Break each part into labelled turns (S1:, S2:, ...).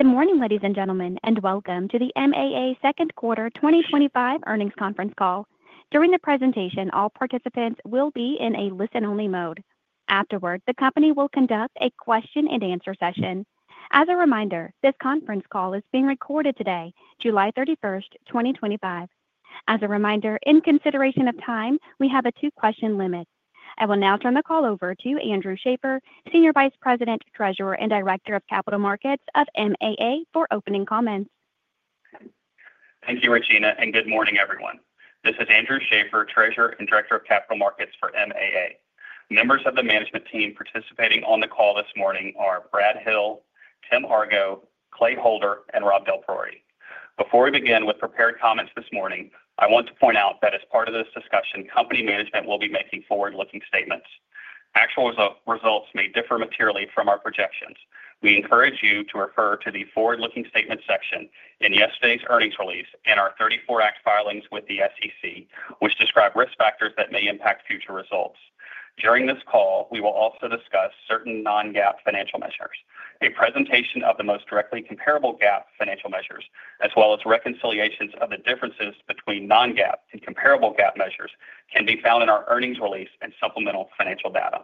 S1: Good morning, ladies and gentlemen, and welcome to the MAA Second Quarter 2025 Earnings Conference Call. During the presentation, all participants will be in a listen-only mode. Afterwards, the company will conduct a question-and-answer session. As a reminder, this conference call is being recorded today, July 31, 2025. In consideration of time, we have a two-question limit. I will now turn the call over to Andrew Schaeffer, Senior Vice President, Treasurer, and Director of Capital Markets of MAA for opening comments.
S2: Thank you, Regina, and good morning, everyone. This is Andrew Schaeffer, Treasurer and Director of Capital Markets for MAA. Members of the management team participating on the call this morning are Brad Hill, Tim Argo, Clay Holder, and Rob DelPriore. Before we begin with prepared comments this morning, I want to point out that as part of this discussion, company management will be making forward-looking statements. Actual results may differ materially from our projections. We encourage you to refer to the forward-looking statement section in yesterday's earnings release and our 34-act filings with the SEC, which describe risk factors that may impact future results. During this call, we will also discuss certain non-GAAP financial measures. A presentation of the most directly comparable GAAP financial measures, as well as reconciliations of the differences between non-GAAP and comparable GAAP measures, can be found in our earnings release and supplemental financial data.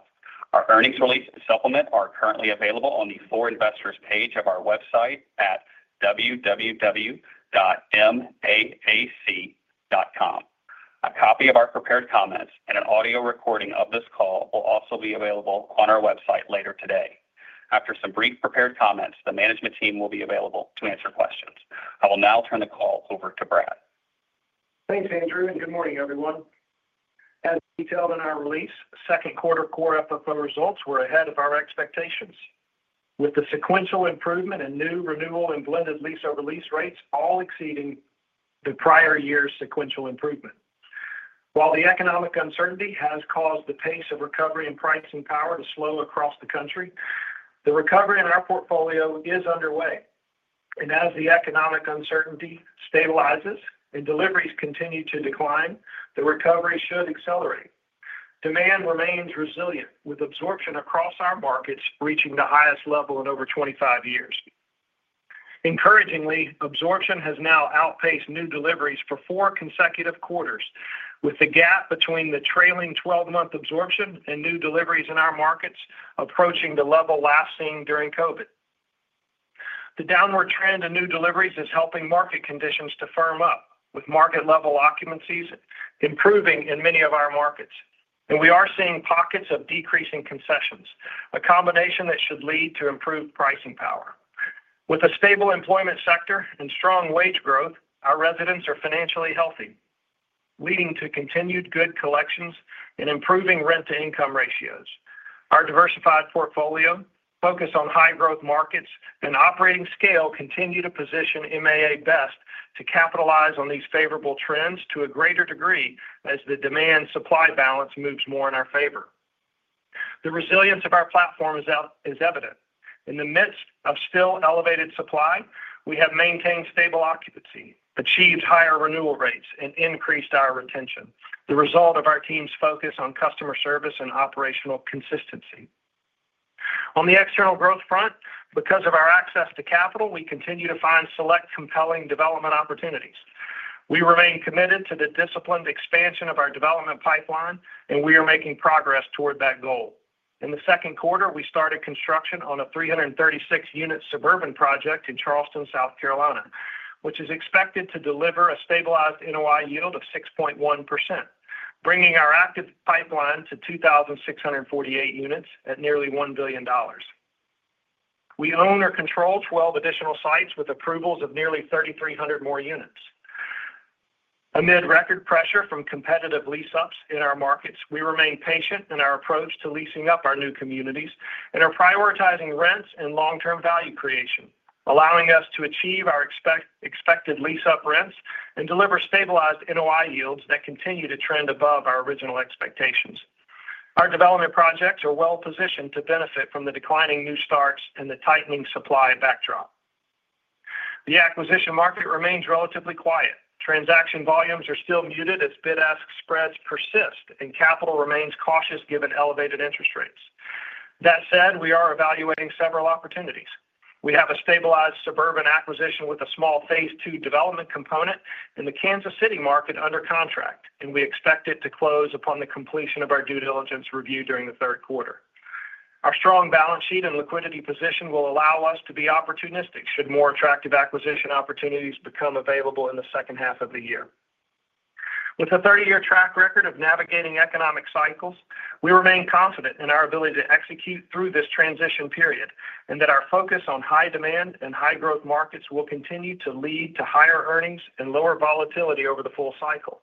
S2: Our earnings release and supplement are currently available on the For Investors page of our website at www.maac.com. A copy of our prepared comments and an audio recording of this call will also be available on our website later today. After some brief prepared comments, the management team will be available to answer questions. I will now turn the call over to Brad.
S3: Thanks, Andrew, and good morning, everyone. As detailed in our release, second quarter core FFO results were ahead of our expectations, with the sequential improvement in new, renewal, and blended lease-over-lease rates all exceeding the prior year's sequential improvement. While the economic uncertainty has caused the pace of recovery in pricing power to slow across the country, the recovery in our portfolio is underway. As the economic uncertainty stabilizes and deliveries continue to decline, the recovery should accelerate. Demand remains resilient, with absorption across our markets reaching the highest level in over 25 years. Encouragingly, absorption has now outpaced new deliveries for four consecutive quarters, with the gap between the trailing 12-month absorption and new deliveries in our markets approaching the level last seen during COVID. The downward trend in new deliveries is helping market conditions to firm up, with market-level occupancies improving in many of our markets. We are seeing pockets of decreasing concessions, a combination that should lead to improved pricing power. With a stable employment sector and strong wage growth, our residents are financially healthy, leading to continued good collections and improving rent-to-income ratios. Our diversified portfolio, focused on high-growth markets and operating scale, continues to position MAA best to capitalize on these favorable trends to a greater degree as the demand-supply balance moves more in our favor. The resilience of our platform is evident. In the midst of still elevated supply, we have maintained stable occupancy, achieved higher renewal rates, and increased our retention, the result of our team's focus on customer service and operational consistency. On the external growth front, because of our access to capital, we continue to find select compelling development opportunities. We remain committed to the disciplined expansion of our development pipeline, and we are making progress toward that goal. In the second quarter, we started construction on a 336-unit suburban project in Charleston, South Carolina, which is expected to deliver a stabilized NOI yield of 6.1%, bringing our active pipeline to 2,648 units at nearly $1 billion. We own or control 12 additional sites with approvals of nearly 3,300 more units. Amid record pressure from competitive lease-ups in our markets, we remain patient in our approach to leasing up our new communities and are prioritizing rents and long-term value creation, allowing us to achieve our expected lease-up rents and deliver stabilized NOI yields that continue to trend above our original expectations. Our development projects are well-positioned to benefit from the declining new starts and the tightening supply backdrop. The acquisition market remains relatively quiet. Transaction volumes are still muted as bid-ask spreads persist and capital remains cautious given elevated interest rates. That said, we are evaluating several opportunities. We have a stabilized suburban acquisition with a small phase two development component in the Kansas City market under contract, and we expect it to close upon the completion of our due diligence review during the third quarter. Our strong balance sheet and liquidity position will allow us to be opportunistic should more attractive acquisition opportunities become available in the second half of the year. With a 30-year track record of navigating economic cycles, we remain confident in our ability to execute through this transition period and that our focus on high-demand and high-growth markets will continue to lead to higher earnings and lower volatility over the full cycle.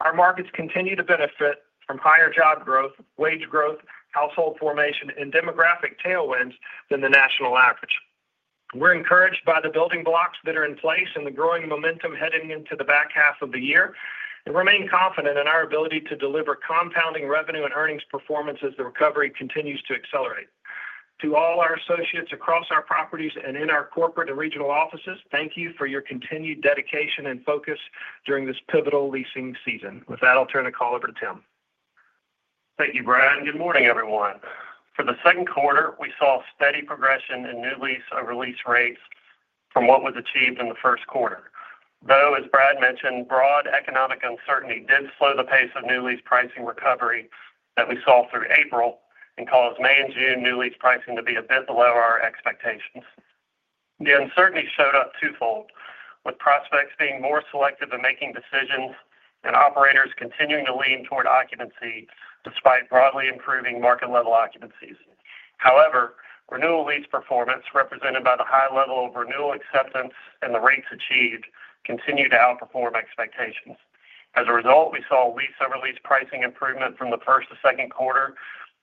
S3: Our markets continue to benefit from higher job growth, wage growth, household formation, and demographic tailwinds than the national average. We're encouraged by the building blocks that are in place and the growing momentum heading into the back half of the year and remain confident in our ability to deliver compounding revenue and earnings performance as the recovery continues to accelerate. To all our associates across our properties and in our corporate and regional offices, thank you for your continued dedication and focus during this pivotal leasing season. With that, I'll turn the call over to Tim.
S4: Thank you, Brad. Good morning, everyone. For the second quarter, we saw steady progression in new lease-over-lease rates from what was achieved in the first quarter. Though, as Brad mentioned, broad economic uncertainty did slow the pace of new lease pricing recovery that we saw through April and caused May and June new lease pricing to be a bit below our expectations. The uncertainty showed up twofold, with prospects being more selective in making decisions and operators continuing to lean toward occupancy despite broadly improving market-level occupancies. However, renewal lease performance, represented by the high level of renewal acceptance and the rates achieved, continued to outperform expectations. As a result, we saw lease-over-lease pricing improvement from the first to second quarter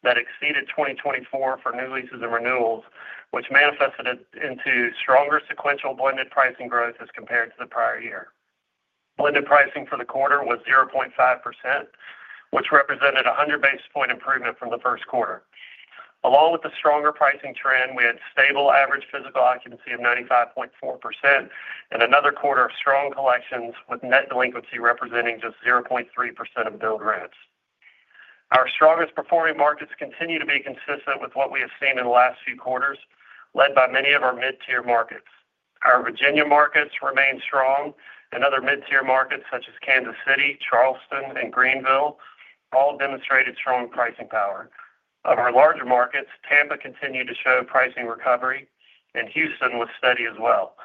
S4: that exceeded 2024 for new leases and renewals, which manifested into stronger sequential blended pricing growth as compared to the prior year. Blended pricing for the quarter was 0.5%, which represented a 100-basis point improvement from the first quarter. Along with the stronger pricing trend, we had stable average physical occupancy of 95.4% and another quarter of strong collections, with net delinquency representing just 0.3% of billed rents. Our strongest performing markets continue to be consistent with what we have seen in the last few quarters, led by many of our mid-tier markets. Our Virginia markets remained strong, and other mid-tier markets such as Kansas City, Charleston, and Greenville all demonstrated strong pricing power. Of our larger markets, Tampa continued to show pricing recovery, and Houston was steady as well.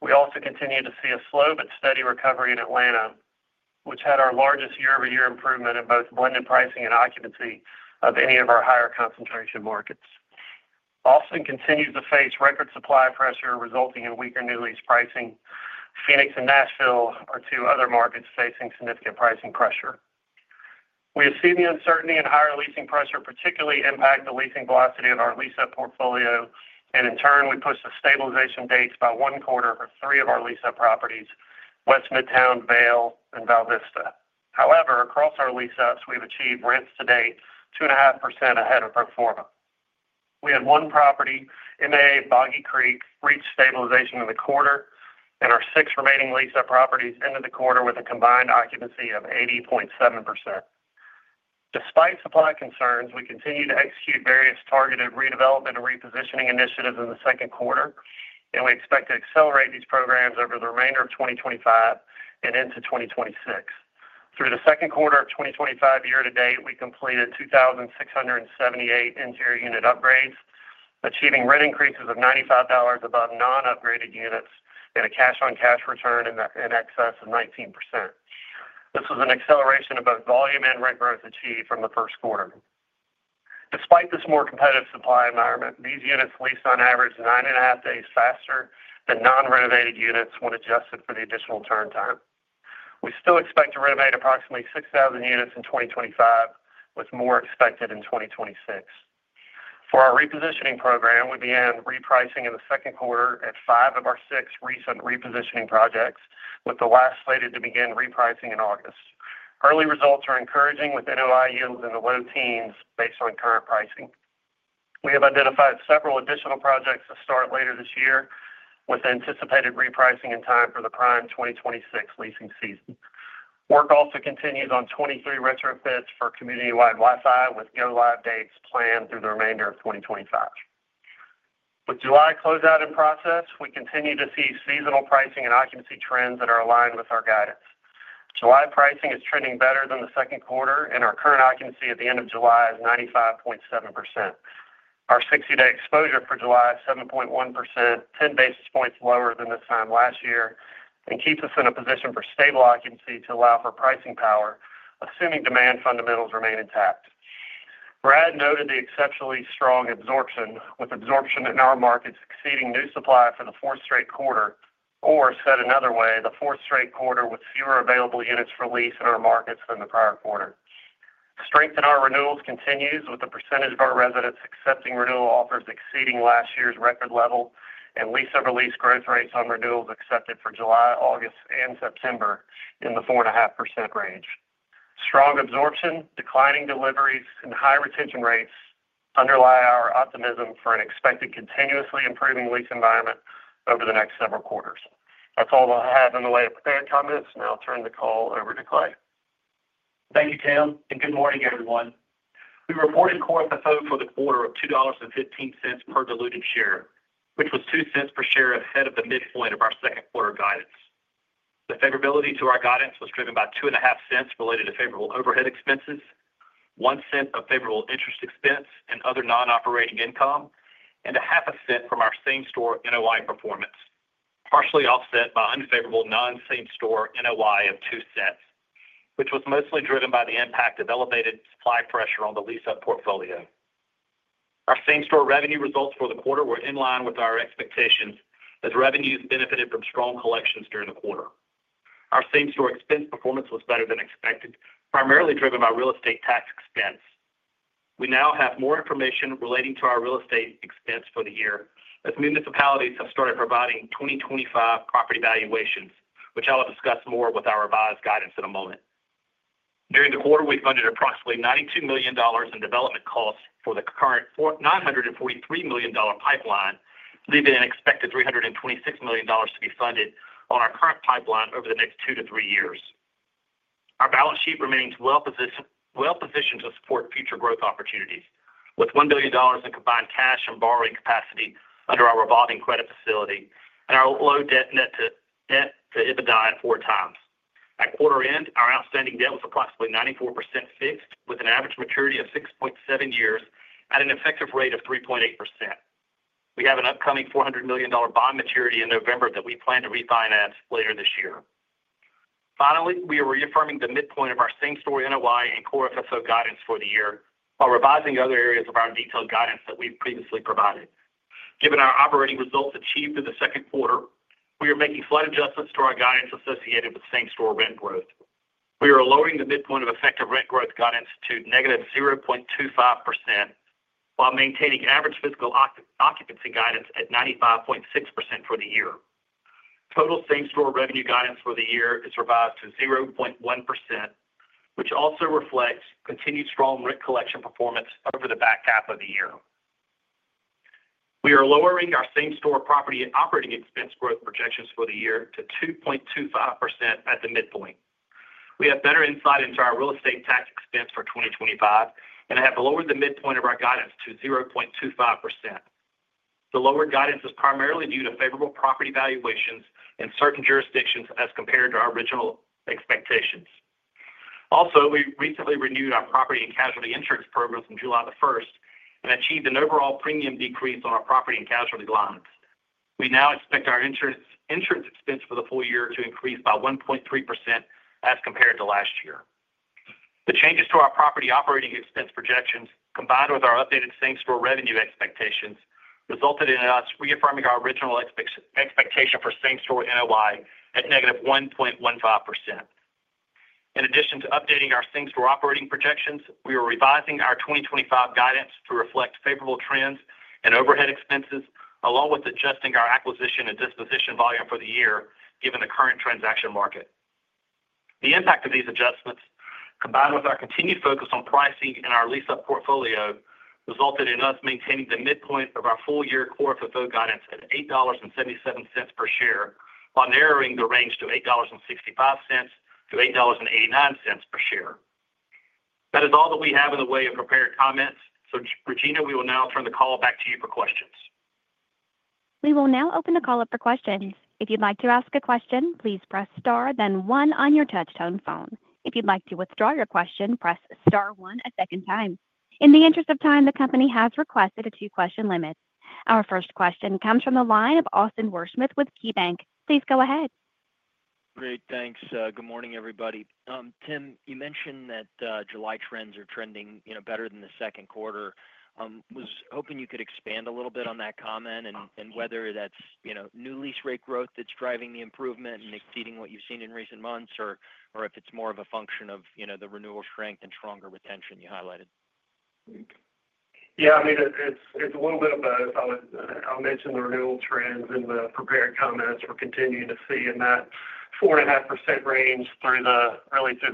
S4: We also continue to see a slow but steady recovery in Atlanta, which had our largest year-over-year improvement in both blended pricing and occupancy of any of our higher concentration markets. Austin continues to face record supply pressure, resulting in weaker new lease pricing. Phoenix and Nashville are two other markets facing significant pricing pressure. We have seen the uncertainty in higher leasing pressure particularly impact the leasing velocity of our lease-up portfolio, and in turn, we pushed the stabilization dates by one quarter for three of our lease-up properties: West Midtown, Vale, and Valvista. However, across our lease-ups, we've achieved rents to date 2.5% ahead of pro forma. We had one property, MAA Boggy Creek, reach stabilization in the quarter, and our six remaining lease-up properties ended the quarter with a combined occupancy of 80.7%. Despite supply concerns, we continue to execute various targeted redevelopment and repositioning initiatives in the second quarter, and we expect to accelerate these programs over the remainder of 2025 and into 2026. Through the second quarter of 2025 year to date, we completed 2,678 interior unit upgrades, achieving rent increases of $95 above non-upgraded units and a cash-on-cash return in excess of 19%. This was an acceleration of both volume and rent growth achieved from the first quarter. Despite this more competitive supply environment, these units leased on average 9.5 days faster than non-renovated units when adjusted for the additional turn time. We still expect to renovate approximately 6,000 units in 2025, with more expected in 2026. For our repositioning program, we began repricing in the second quarter at five of our six recent repositioning projects, with the last slated to begin repricing in August. Early results are encouraging, with NOI yields in the low teens based on current pricing. We have identified several additional projects to start later this year, with anticipated repricing in time for the prime 2026 leasing season. Work also continues on 23 retrofits for community-wide Wi-Fi, with go-live dates planned through the remainder of 2025. With July closeout in process, we continue to see seasonal pricing and occupancy trends that are aligned with our guidance. July pricing is trending better than the second quarter, and our current occupancy at the end of July is 95.7%. Our 60-day exposure for July is 7.1%, 10 basis points lower than this time last year, and keeps us in a position for stable occupancy to allow for pricing power, assuming demand fundamentals remain intact. Brad noted the exceptionally strong absorption, with absorption in our markets exceeding new supply for the fourth straight quarter, or said another way, the fourth straight quarter with fewer available units for lease in our markets than the prior quarter. Strength in our renewals continues, with the percentage of our residents accepting renewal offers exceeding last year's record level and lease-over-lease growth rates on renewals accepted for July, August, and September in the 4.5% range. Strong absorption, declining deliveries, and high retention rates underlie our optimism for an expected continuously improving lease environment over the next several quarters. That's all I have in the way of prepared comments. Now I'll turn the call over to Clay.
S5: Thank you, Tim, and good morning, everyone. We reported core FFO for the quarter of $2.15 per diluted share, which was $0.02 per share ahead of the midpoint of our second quarter guidance. The favorability to our guidance was driven by $0.025 related to favorable overhead expenses, $0.01 of favorable interest expense and other non-operating income, and $0.005 from our same-store NOI performance, partially offset by unfavorable non-same-store NOI of $0.02, which was mostly driven by the impact of elevated supply pressure on the lease-up portfolio. Our same-store revenue results for the quarter were in line with our expectations, as revenues benefited from strong collections during the quarter. Our same-store expense performance was better than expected, primarily driven by real estate tax expense. We now have more information relating to our real estate expense for the year, as municipalities have started providing 2025 property valuations, which I'll discuss more with our revised guidance in a moment. During the quarter, we funded approximately $90 million in development costs for the current $943 million pipeline, leaving an expected $326 million to be funded on our current pipeline over the next two to three years. Our balance sheet remains well-positioned to support future growth opportunities, with $1 billion in combined cash and borrowing capacity under our revolving credit facility and our low net debt to EBITDA at four times. At quarter end, our outstanding debt was approximately 94% fixed, with an average maturity of 6.7 years at an effective rate of 3.8%. We have an upcoming $400 million bond maturity in November that we plan to refinance later this year. Finally, we are reaffirming the midpoint of our same-store NOI and core FFO guidance for the year while revising other areas of our detailed guidance that we've previously provided. Given our operating results achieved through the second quarter, we are making slight adjustments to our guidance associated with same-store rent growth. We are lowering the midpoint of effective rent growth guidance to negative 0.25% while maintaining average physical occupancy guidance at 95.6% for the year. Total same-store revenue guidance for the year is revised to 0.1%, which also reflects continued strong rent collection performance over the back half of the year. We are lowering our same-store property operating expense growth projections for the year to 2.25% at the midpoint. We have better insight into our real estate tax expense for 2025 and have lowered the midpoint of our guidance to 0.25%. The lowered guidance is primarily due to favorable property valuations in certain jurisdictions as compared to our original expectations. Also, we recently renewed our property and casualty insurance programs on July 1 and achieved an overall premium decrease on our property and casualty lines. We now expect our insurance expense for the full year to increase by 1.3% as compared to last year. The changes to our property operating expense projections, combined with our updated same-store revenue expectations, resulted in us reaffirming our original expectation for same-store NOI at negative 1.15%. In addition to updating our same-store operating projections, we are revising our 2025 guidance to reflect favorable trends in overhead expenses, along with adjusting our acquisition and disposition volume for the year given the current transaction market. The impact of these adjustments, combined with our continued focus on pricing and our lease-up portfolio, resulted in us maintaining the midpoint of our full-year core FFO guidance at $8.77 per share while narrowing the range to $8.65 to $8.89 per share. That is all that we have in the way of prepared comments. Regina, we will now turn the call back to you for questions.
S1: We will now open the call up for questions. If you'd like to ask a question, please press star, then one on your touch-tone phone. If you'd like to withdraw your question, press star one a second time. In the interest of time, the company has requested a two-question limit. Our first question comes from the line of Austin Wurschmidt with KeyBanc Capital Markets. Please go ahead.
S6: Great. Thanks. Good morning, everybody. Tim, you mentioned that July trends are trending better than the second quarter. I was hoping you could expand a little bit on that comment and whether that's new lease-rate growth that's driving the improvement and exceeding what you've seen in recent months, or if it's more of a function of the renewal strength and stronger retention you highlighted.
S4: Yeah. I mean, it's a little bit of both. I'll mention the renewal trends in the prepared comments. We're continuing to see in that 4.5% range really through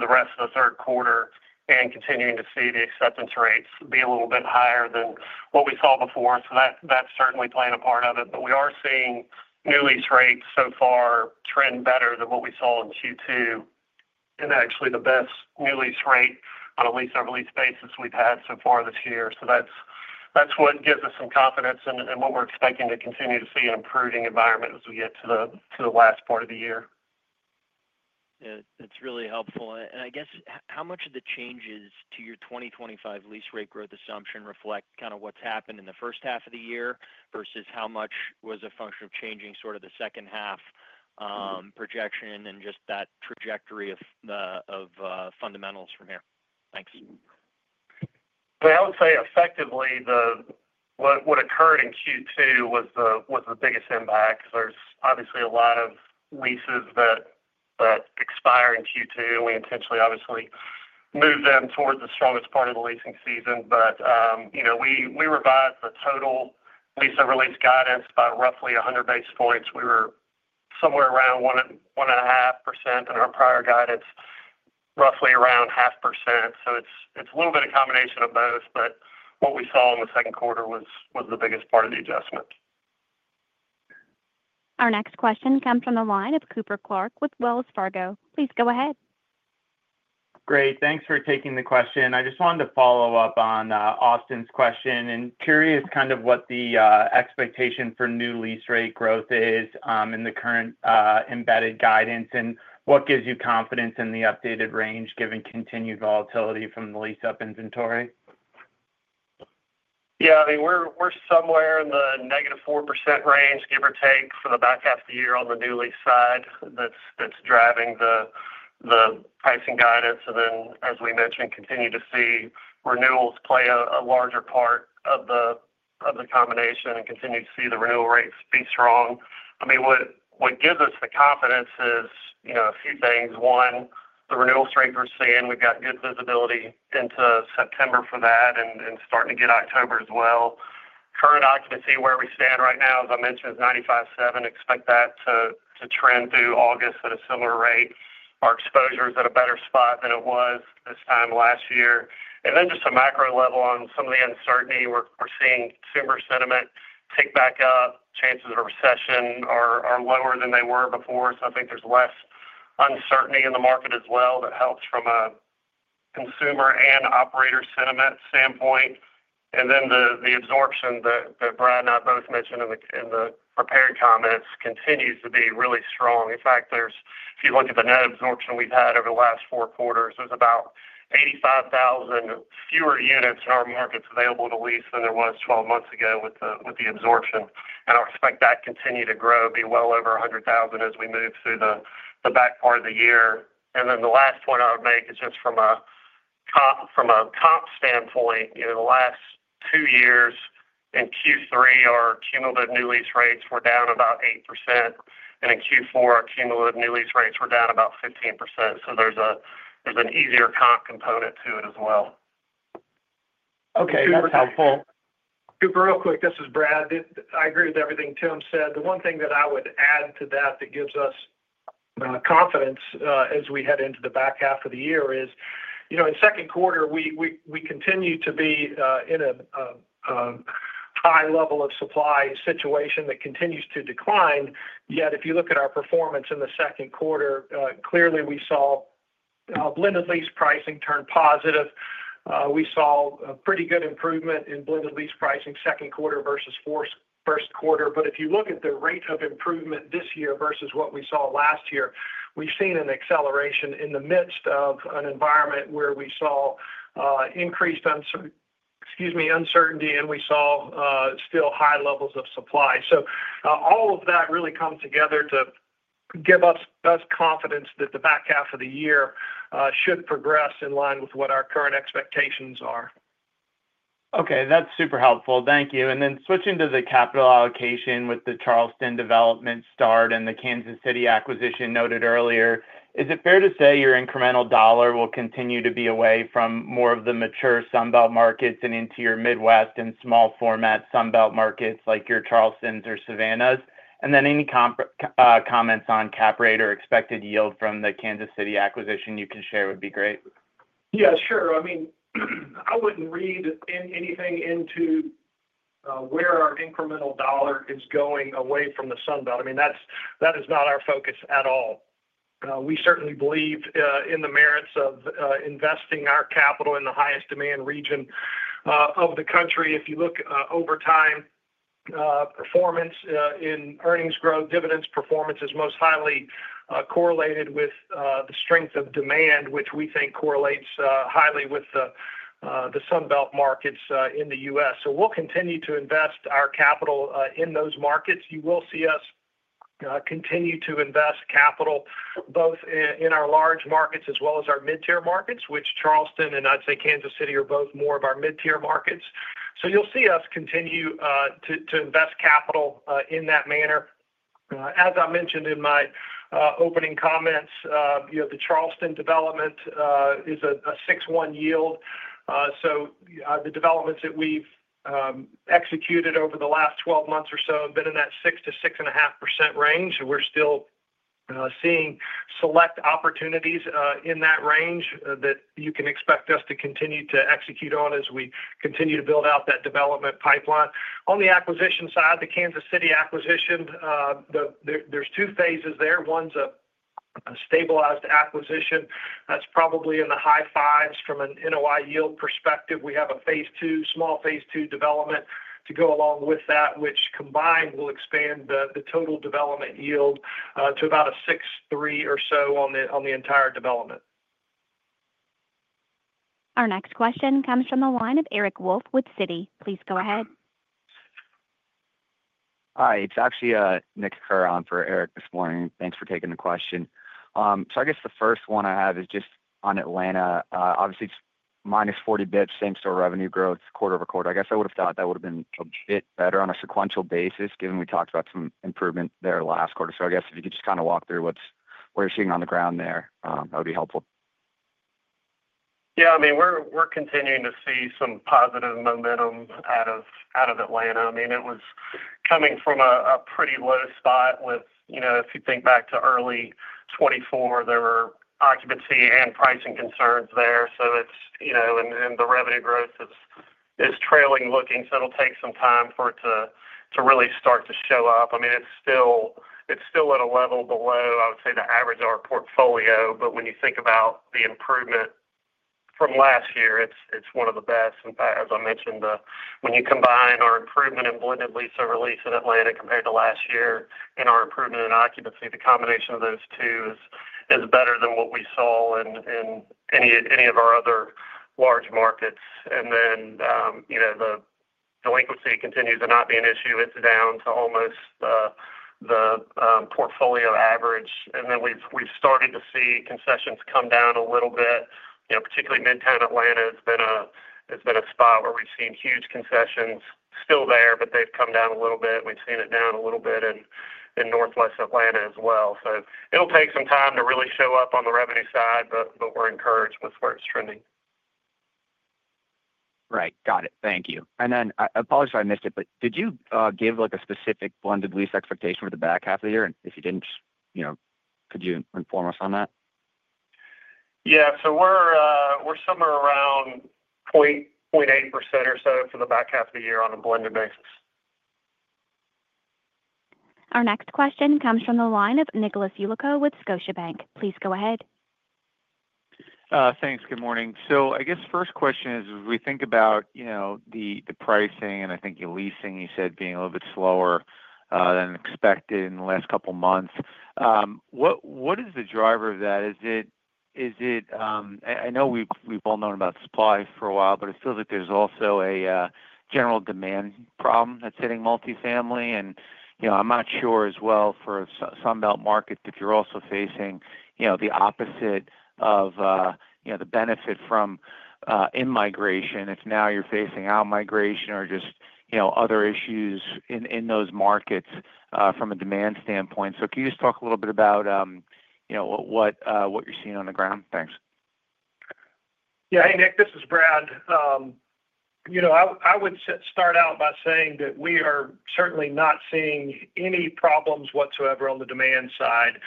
S4: the rest of the third quarter and continuing to see the acceptance rates be a little bit higher than what we saw before. That's certainly playing a part of it. We are seeing new lease rates so far trend better than what we saw in Q2, and actually, the best new lease rate on a lease-over-lease basis we've had so far this year. That's what gives us some confidence in what we're expecting to continue to see an improving environment as we get to the last part of the year.
S6: Yeah, that's really helpful. I guess, how much of the changes to your 2025 lease-rate growth assumption reflect kind of what's happened in the first half of the year versus how much was a function of changing sort of the second-half projection and just that trajectory of fundamentals from here? Thanks.
S4: I would say, effectively, what occurred in Q2 was the biggest impact. There's obviously a lot of leases that expire in Q2. We intentionally, obviously, moved them toward the strongest part of the leasing season. We revised the total lease-over-lease guidance by roughly 100 basis points. We were somewhere around 1.5% in our prior guidance, roughly around half a percent. It's a little bit of a combination of both, but what we saw in the second quarter was the biggest part of the adjustment.
S1: Our next question comes from the line of Cooper Clark with Wells Fargo. Please go ahead.
S7: Great. Thanks for taking the question. I just wanted to follow up on Austin's question and curious kind of what the expectation for new lease-rate growth is in the current embedded guidance and what gives you confidence in the updated range given continued volatility from the lease-up inventory?
S4: Yeah. I mean, we're somewhere in the negative 4% range, give or take, for the back half of the year on the new lease side that's driving the pricing guidance. As we mentioned, continue to see renewals play a larger part of the combination and continue to see the renewal rates be strong. What gives us the confidence is a few things. One, the renewal strength we're seeing. We've got good visibility into September for that and starting to get October as well. Current occupancy, where we stand right now, as I mentioned, is 95.7%. Expect that to trend through August at a similar rate. Our exposure is at a better spot than it was this time last year. At a macro level on some of the uncertainty, we're seeing consumer sentiment tick back up. Chances of recession are lower than they were before. I think there's less uncertainty in the market as well that helps from a consumer and operator sentiment standpoint. The absorption that Brad Hill and I both mentioned in the prepared comments continues to be really strong. In fact, if you look at the net absorption we've had over the last four quarters, there's about 85,000 fewer units in our markets available to lease than there was 12 months ago with the absorption. I expect that to continue to grow, be well over 100,000 as we move through the back part of the year. The last point I would make is just from a comp standpoint. The last two years in Q3, our cumulative new lease rates were down about 8%. In Q4, our cumulative new lease rates were down about 15%. There's an easier comp component to it as well.
S7: Okay, that's helpful.
S3: Cooper, real quick, this is Brad. I agree with everything Tim said. The one thing that I would add to that that gives us confidence as we head into the back half of the year is in second quarter, we continue to be in a high level of supply situation that continues to decline. Yet, if you look at our performance in the second quarter, clearly, we saw blended lease pricing turned positive. We saw a pretty good improvement in blended lease pricing second quarter versus first quarter. If you look at the rate of improvement this year versus what we saw last year, we've seen an acceleration in the midst of an environment where we saw increased uncertainty, and we saw still high levels of supply. All of that really comes together to give us confidence that the back half of the year should progress in line with what our current expectations are.
S7: Okay. That's super helpful. Thank you. Switching to the capital allocation with the Charleston, South Carolina development start and the Kansas City acquisition noted earlier, is it fair to say your incremental dollar will continue to be away from more of the mature Sunbelt markets and into your Midwest and small-format Sunbelt markets like your Charlestons or Savannahs? Any comments on cap rate or expected yield from the Kansas City acquisition you can share would be great.
S3: Yeah. Sure. I mean, I wouldn't read anything into where our incremental dollar is going away from the Sunbelt. That is not our focus at all. We certainly believe in the merits of investing our capital in the highest demand region of the country. If you look over time, performance in earnings growth, dividends performance is most highly correlated with the strength of demand, which we think correlates highly with the Sunbelt markets in the U.S. We will continue to invest our capital in those markets. You will see us continue to invest capital both in our large markets as well as our mid-tier markets, which Charleston and I'd say Kansas City are both more of our mid-tier markets. You will see us continue to invest capital in that manner. As I mentioned in my opening comments, the Charleston development is a 6.1% yield. The developments that we've executed over the last 12 months or so have been in that 6% to 6.5% range. We're still seeing select opportunities in that range that you can expect us to continue to execute on as we continue to build out that development pipeline. On the acquisition side, the Kansas City acquisition, there's two phases there. One's a stabilized acquisition that's probably in the high 5% from an NOI yield perspective. We have a small phase two development to go along with that, which combined will expand the total development yield to about a 6.3% or so on the entire development.
S1: Our next question comes from the line of Eric Wolfe with Citi. Please go ahead.
S8: Hi. It's actually Nikki Curran for Eric this morning. Thanks for taking the question. The first one I have is just on Atlanta. Obviously, it's minus 40 bps same-store revenue growth quarter over quarter. I would have thought that would have been a bit better on a sequential basis given we talked about some improvement there last quarter. If you could just kind of walk through what you're seeing on the ground there, that would be helpful.
S4: Yeah. I mean, we're continuing to see some positive momentum out of Atlanta. I mean, it was coming from a pretty low spot with, if you think back to early 2024, there were occupancy and pricing concerns there. The revenue growth is trailing looking. It'll take some time for it to really start to show up. I mean, it's still at a level below, I would say, the average of our portfolio. When you think about the improvement from last year, it's one of the best. In fact, as I mentioned, when you combine our improvement in blended lease and release in Atlanta compared to last year and our improvement in occupancy, the combination of those two is better than what we saw in any of our other large markets. The delinquency continues to not be an issue. It's down to almost the portfolio average. We've started to see concessions come down a little bit. Particularly Midtown Atlanta has been a spot where we've seen huge concessions still there, but they've come down a little bit. We've seen it down a little bit in Northwest Atlanta as well. It'll take some time to really show up on the revenue side, but we're encouraged with where it's trending.
S8: Right. Got it. Thank you. I apologize if I missed it, but did you give a specific blended lease expectation for the back half of the year? If you didn't, could you inform us on that?
S4: Yeah, we're somewhere around 0.8% or so for the back half of the year on a blended basis.
S1: Our next question comes from the line of Nickolas Yulico with Scotiabank. Please go ahead.
S8: Thanks. Good morning. I guess first question is, as we think about the pricing and I think your leasing, you said, being a little bit slower than expected in the last couple of months, what is the driver of that? Is it, I know we've all known about supply for a while, but it feels like there's also a general demand problem that's hitting multifamily. I'm not sure as well for the Sunbelt market if you're also facing the opposite of the benefit from in-migration, if now you're facing out-migration or just other issues in those markets from a demand standpoint. Can you just talk a little bit about what you're seeing on the ground? Thanks.
S3: Yeah. Hey, Nick, this is Brad. I would start out by saying that we are certainly not seeing any problems whatsoever on the demand side.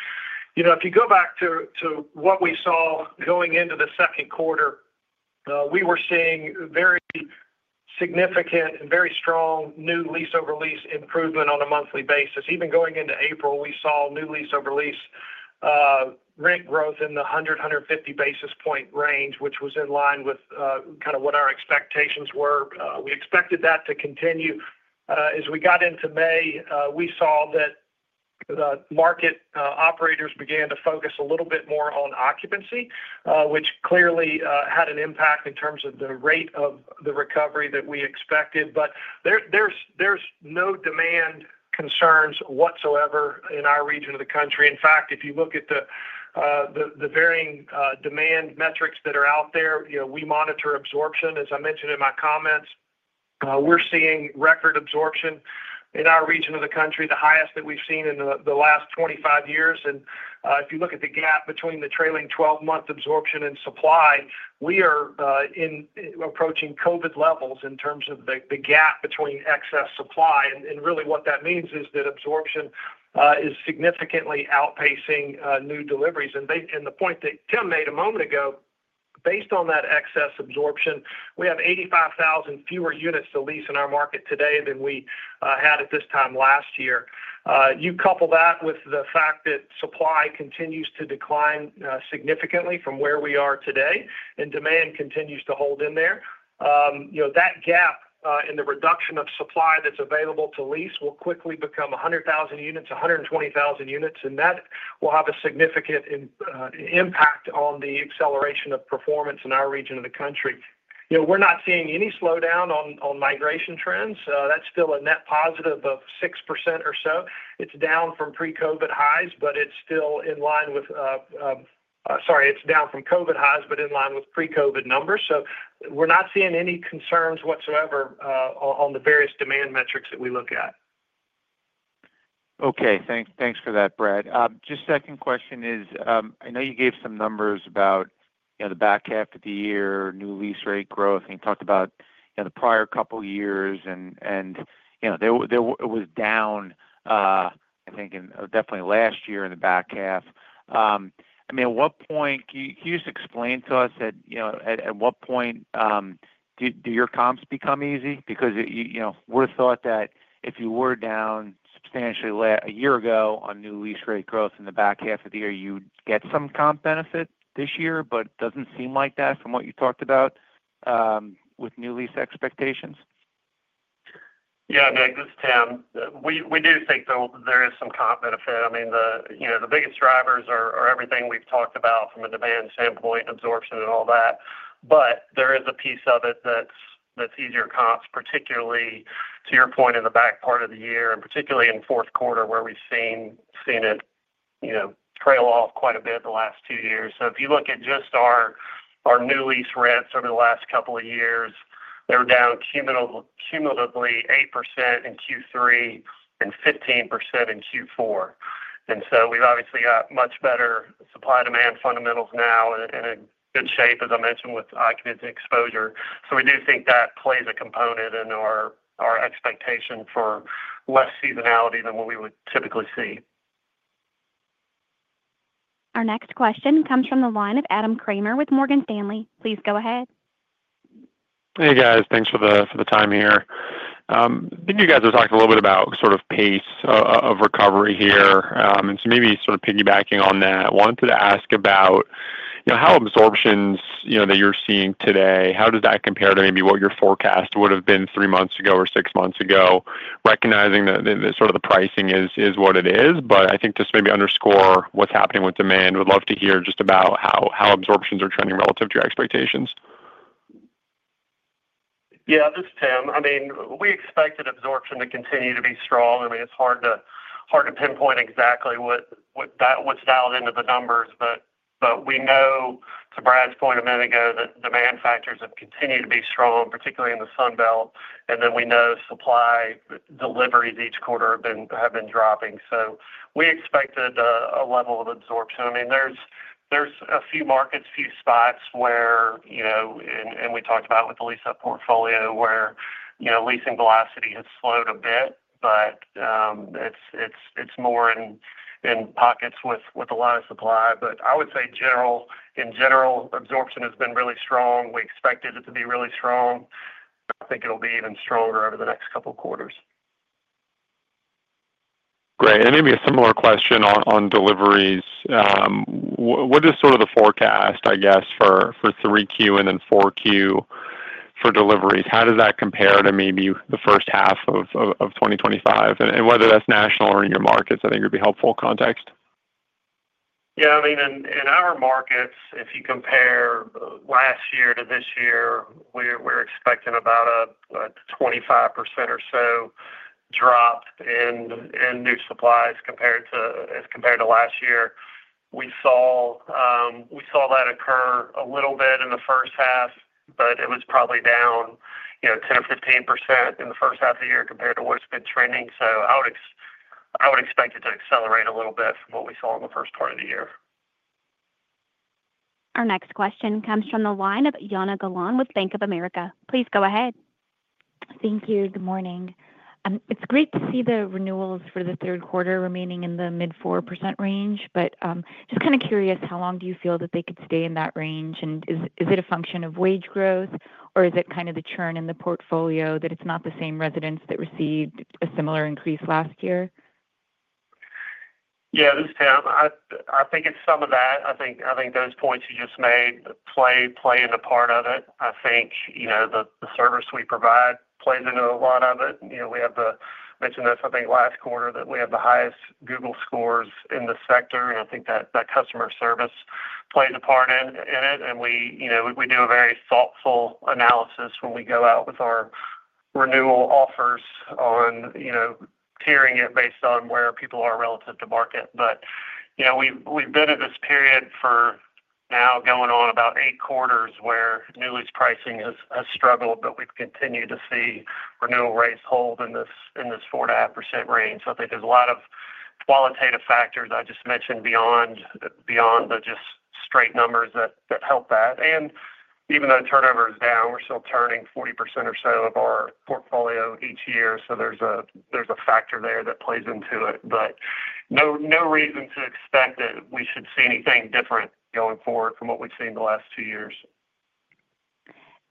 S3: If you go back to what we saw going into the second quarter, we were seeing very significant and very strong new lease-over-lease improvement on a monthly basis. Even going into April, we saw new lease-over-lease rent growth in the 100, 150 basis point range, which was in line with kind of what our expectations were. We expected that to continue. As we got into May, we saw that the market operators began to focus a little bit more on occupancy, which clearly had an impact in terms of the rate of the recovery that we expected. There's no demand concerns whatsoever in our region of the country. In fact, if you look at the varying demand metrics that are out there, we monitor absorption. As I mentioned in my comments, we're seeing record absorption in our region of the country, the highest that we've seen in the last 25 years. If you look at the gap between the trailing 12-month absorption and supply, we are approaching COVID levels in terms of the gap between excess supply. What that means is that absorption is significantly outpacing new deliveries. The point that Tim made a moment ago, based on that excess absorption, we have 85,000 fewer units to lease in our market today than we had at this time last year. You couple that with the fact that supply continues to decline significantly from where we are today, and demand continues to hold in there. That gap in the reduction of supply that's available to lease will quickly become 100,000 units, 120,000 units, and that will have a significant impact on the acceleration of performance in our region of the country. We're not seeing any slowdown on migration trends. That's still a net positive of 6% or so. It's down from COVID highs, but in line with pre-COVID numbers. We're not seeing any concerns whatsoever on the various demand metrics that we look at.
S9: Okay. Thanks for that, Brad. Just second question is, I know you gave some numbers about the back half of the year, new lease rate growth, and you talked about the prior couple of years. It was down, I think, definitely last year in the back half. I mean, at what point, can you just explain to us at what point do your comps become easy? Because we thought that if you were down substantially a year ago on new lease rate growth in the back half of the year, you'd get some comp benefit this year, but it doesn't seem like that from what you talked about with new lease expectations.
S4: Yeah. Nick, this is Tim. We do think there is some comp benefit. I mean, the biggest drivers are everything we've talked about from a demand standpoint, absorption, and all that. There is a piece of it that's easier comps, particularly to your point in the back part of the year, and particularly in fourth quarter where we've seen it trail off quite a bit the last two years. If you look at just our new lease rents over the last couple of years, they were down cumulatively 8% in Q3 and 15% in Q4. We've obviously got much better supply-demand fundamentals now and in good shape, as I mentioned, with occupant exposure. We do think that plays a component in our expectation for less seasonality than what we would typically see.
S1: Our next question comes from the line of Adam Kramer with Morgan Stanley. Please go ahead.
S10: Hey, guys. Thanks for the time here. I think you guys were talking a little bit about sort of pace of recovery here. Maybe sort of piggybacking on that, I wanted to ask about how absorptions that you're seeing today, how does that compare to maybe what your forecast would have been three months ago or six months ago, recognizing that sort of the pricing is what it is? I think just maybe underscore what's happening with demand. We'd love to hear just about how absorptions are trending relative to your expectations.
S4: Yeah. This is Tim. I mean, we expected absorption to continue to be strong. It's hard to pinpoint exactly what's dialed into the numbers, but we know, to Brad's point a minute ago, that demand factors have continued to be strong, particularly in the Sunbelt. We know supply deliveries each quarter have been dropping. We expected a level of absorption. There's a few markets, few spots where, and we talked about with the lease-up portfolio, where leasing velocity has slowed a bit. It's more in pockets with a lot of supply. I would say, in general, absorption has been really strong. We expected it to be really strong. I think it'll be even stronger over the next couple of quarters.
S10: Great. Maybe a similar question on deliveries. What is sort of the forecast, I guess, for 3Q and then 4Q for deliveries? How does that compare to maybe the first half of 2025? Whether that's national or in your markets, I think it would be helpful context.
S4: Yeah. I mean, in our markets, if you compare last year to this year, we're expecting about a 25% or so drop in new supplies as compared to last year. We saw that occur a little bit in the first half, but it was probably down 10% or 15% in the first half of the year compared to what it's been trending. I would expect it to accelerate a little bit from what we saw in the first part of the year.
S1: Our next question comes from the line of Jana Galan with Bank of America. Please go ahead.
S11: Thank you. Good morning. It's great to see the renewals for the third quarter remaining in the mid-4% range, but just kind of curious, how long do you feel that they could stay in that range? Is it a function of wage growth, or is it kind of the churn in the portfolio that it's not the same residents that received a similar increase last year?
S4: Yeah. This is Tim. I think it's some of that. I think those points you just made play into part of it. I think the service we provide plays into a lot of it. I mentioned this, I think, last quarter that we have the highest Google scores in the sector. I think that customer service plays a part in it. We do a very thoughtful analysis when we go out with our renewal offers, tiering it based on where people are relative to market. We've been in this period for now going on about eight quarters where new lease pricing has struggled, but we've continued to see renewal rates hold in this 4.5% range. I think there's a lot of qualitative factors I just mentioned beyond the just straight numbers that help that. Even though turnover is down, we're still turning 40% or so of our portfolio each year. There's a factor there that plays into it. No reason to expect that we should see anything different going forward from what we've seen the last two years.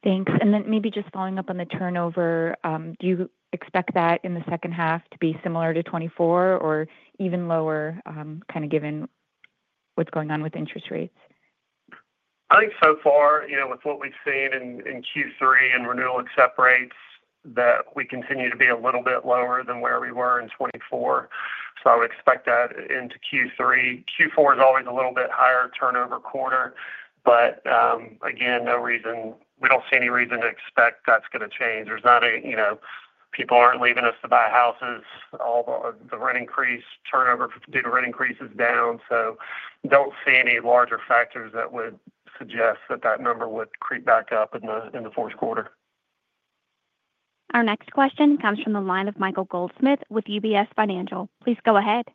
S11: Thanks. Maybe just following up on the turnover, do you expect that in the second half to be similar to 2024 or even lower, kind of given what's going on with interest rates?
S4: I think so far, with what we've seen in Q3 and renewal accept rates, we continue to be a little bit lower than where we were in 2024. I would expect that into Q3. Q4 is always a little bit higher turnover quarter. Again, we don't see any reason to expect that's going to change. People aren't leaving us to buy houses. The turnover due to rent increase is down. I don't see any larger factors that would suggest that number would creep back up in the fourth quarter.
S1: Our next question comes from the line of Michael Goldsmith with UBS. Please go ahead.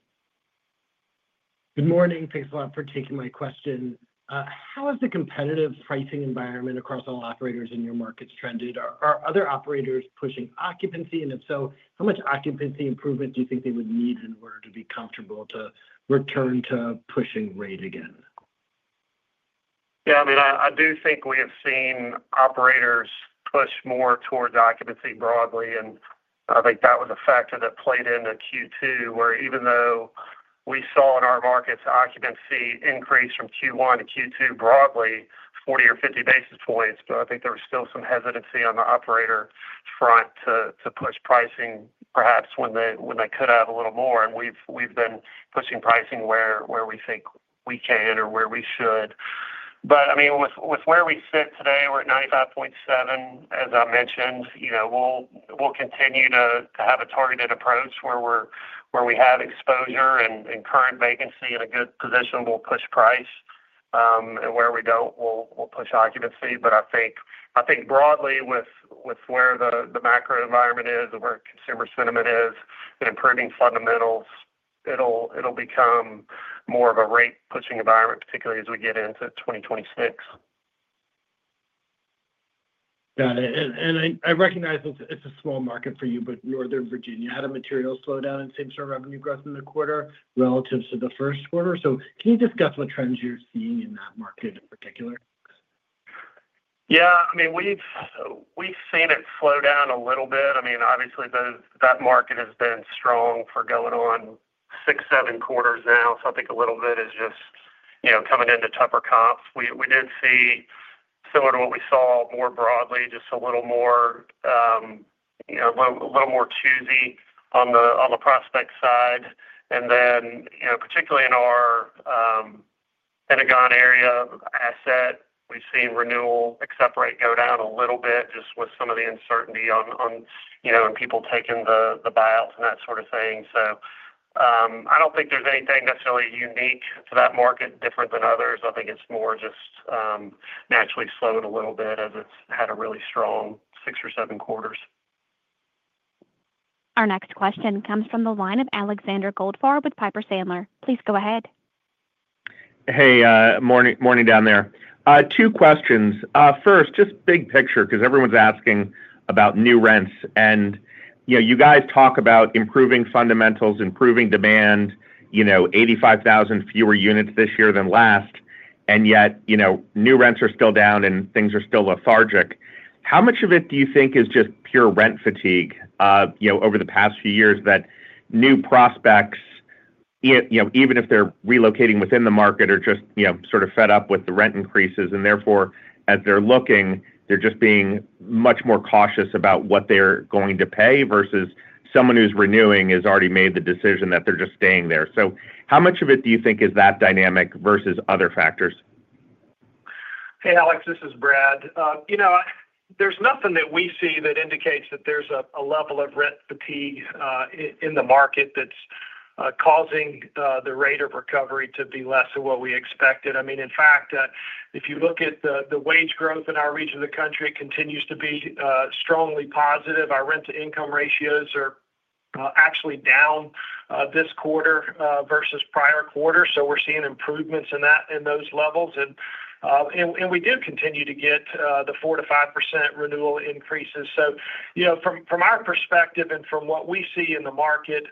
S12: Good morning. Thanks a lot for taking my question. How has the competitive pricing environment across all operators in your markets trended? Are other operators pushing occupancy? If so, how much occupancy improvement do you think they would need in order to be comfortable to return to pushing rate again?
S4: Yeah. I mean, I do think we have seen operators push more towards occupancy broadly. I think that was a factor that played into Q2, where even though we saw in our markets occupancy increase from Q1 to Q2 broadly, 40 or 50 basis points, I think there was still some hesitancy on the operator front to push pricing, perhaps when they could have a little more. We've been pushing pricing where we think we can or where we should. I mean, with where we sit today, we're at 95.7%. As I mentioned, we'll continue to have a targeted approach where we have exposure and current vacancy in a good position. We'll push price, and where we don't, we'll push occupancy. I think broadly, with where the macro environment is and where consumer sentiment is and improving fundamentals, it'll become more of a rate-pushing environment, particularly as we get into 2026.
S12: Got it. I recognize it's a small market for you, but Northern Virginia had a material slowdown in same-store revenue growth in the quarter relative to the first quarter. Can you discuss what trends you're seeing in that market in particular?
S4: Yeah. I mean, we've seen it slow down a little bit. Obviously, that market has been strong for going on six, seven quarters now. I think a little bit is just coming into tougher comps. We did see, similar to what we saw more broadly, just a little more, a little more choosy on the prospect side. Particularly in our Pentagon area asset, we've seen renewal accept rate go down a little bit just with some of the uncertainty on people taking the buyouts and that sort of thing. I don't think there's anything necessarily unique to that market different than others. I think it's more just naturally slowed a little bit as it's had a really strong six or seven quarters.
S1: Our next question comes from the line of Alexander Goldfarb with Piper Sandler. Please go ahead.
S13: Hey, morning down there. Two questions. First, just big picture because everyone's asking about new rents. You guys talk about improving fundamentals, improving demand. 85,000 fewer units this year than last, yet new rents are still down and things are still lethargic. How much of it do you think is just pure rent fatigue over the past few years that new prospects, even if they're relocating within the market, are just sort of fed up with the rent increases? Therefore, as they're looking, they're just being much more cautious about what they're going to pay versus someone who's renewing has already made the decision that they're just staying there. How much of it do you think is that dynamic versus other factors?
S3: Hey, Alex, this is Brad. There's nothing that we see that indicates that there's a level of rent fatigue in the market that's causing the rate of recovery to be less than what we expected. In fact, if you look at the wage growth in our region of the country, it continues to be strongly positive. Our rent-to-income ratios are actually down this quarter versus prior quarters, so we're seeing improvements in those levels. We do continue to get the 4% to 5% renewal increases. From our perspective and from what we see in the market,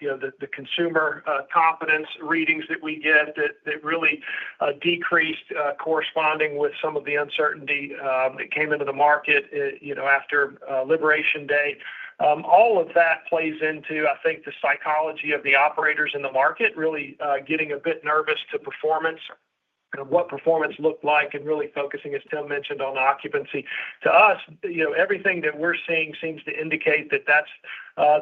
S3: the consumer confidence readings that we get really decreased, corresponding with some of the uncertainty that came into the market after Liberation Day. All of that plays into, I think, the psychology of the operators in the market, really getting a bit nervous to performance, what performance looked like, and really focusing, as Tim mentioned, on occupancy. To us, everything that we're seeing seems to indicate that that's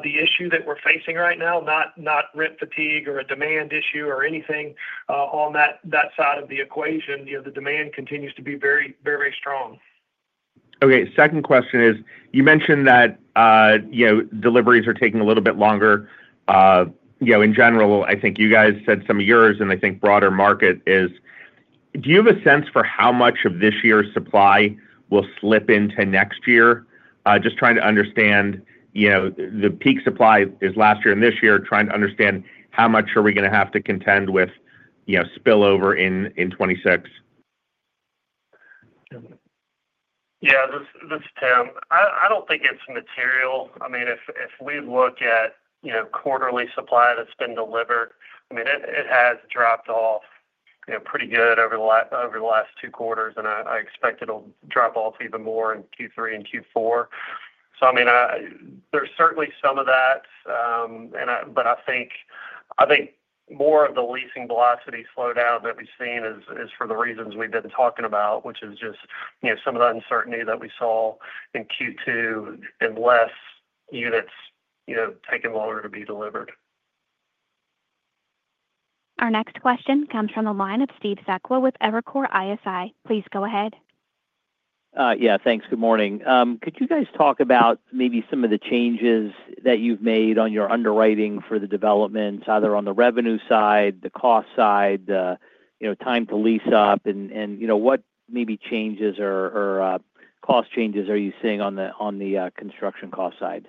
S3: the issue that we're facing right now, not rent fatigue or a demand issue or anything on that side of the equation. The demand continues to be very, very strong.
S13: Okay. Second question is, you mentioned that deliveries are taking a little bit longer. In general, I think you guys said some of yours, and I think broader market is. Do you have a sense for how much of this year's supply will slip into next year? Just trying to understand the peak supply is last year and this year, trying to understand how much are we going to have to contend with. Spillover in 2026?
S4: Yeah. This is Tim. I don't think it's material. I mean, if we look at quarterly supply that's been delivered, it has dropped off pretty good over the last two quarters. I expect it'll drop off even more in Q3 and Q4. There's certainly some of that. I think more of the leasing velocity slowdown that we've seen is for the reasons we've been talking about, which is just some of the uncertainty that we saw in Q2 and less units taking longer to be delivered.
S1: Our next question comes from the line of Steve Sakwal with Evercore ISI. Please go ahead.
S14: Yeah. Thanks. Good morning. Could you guys talk about maybe some of the changes that you've made on your underwriting for the development, either on the revenue side, the cost side, the time to lease up, and what maybe changes or cost changes are you seeing on the construction cost side?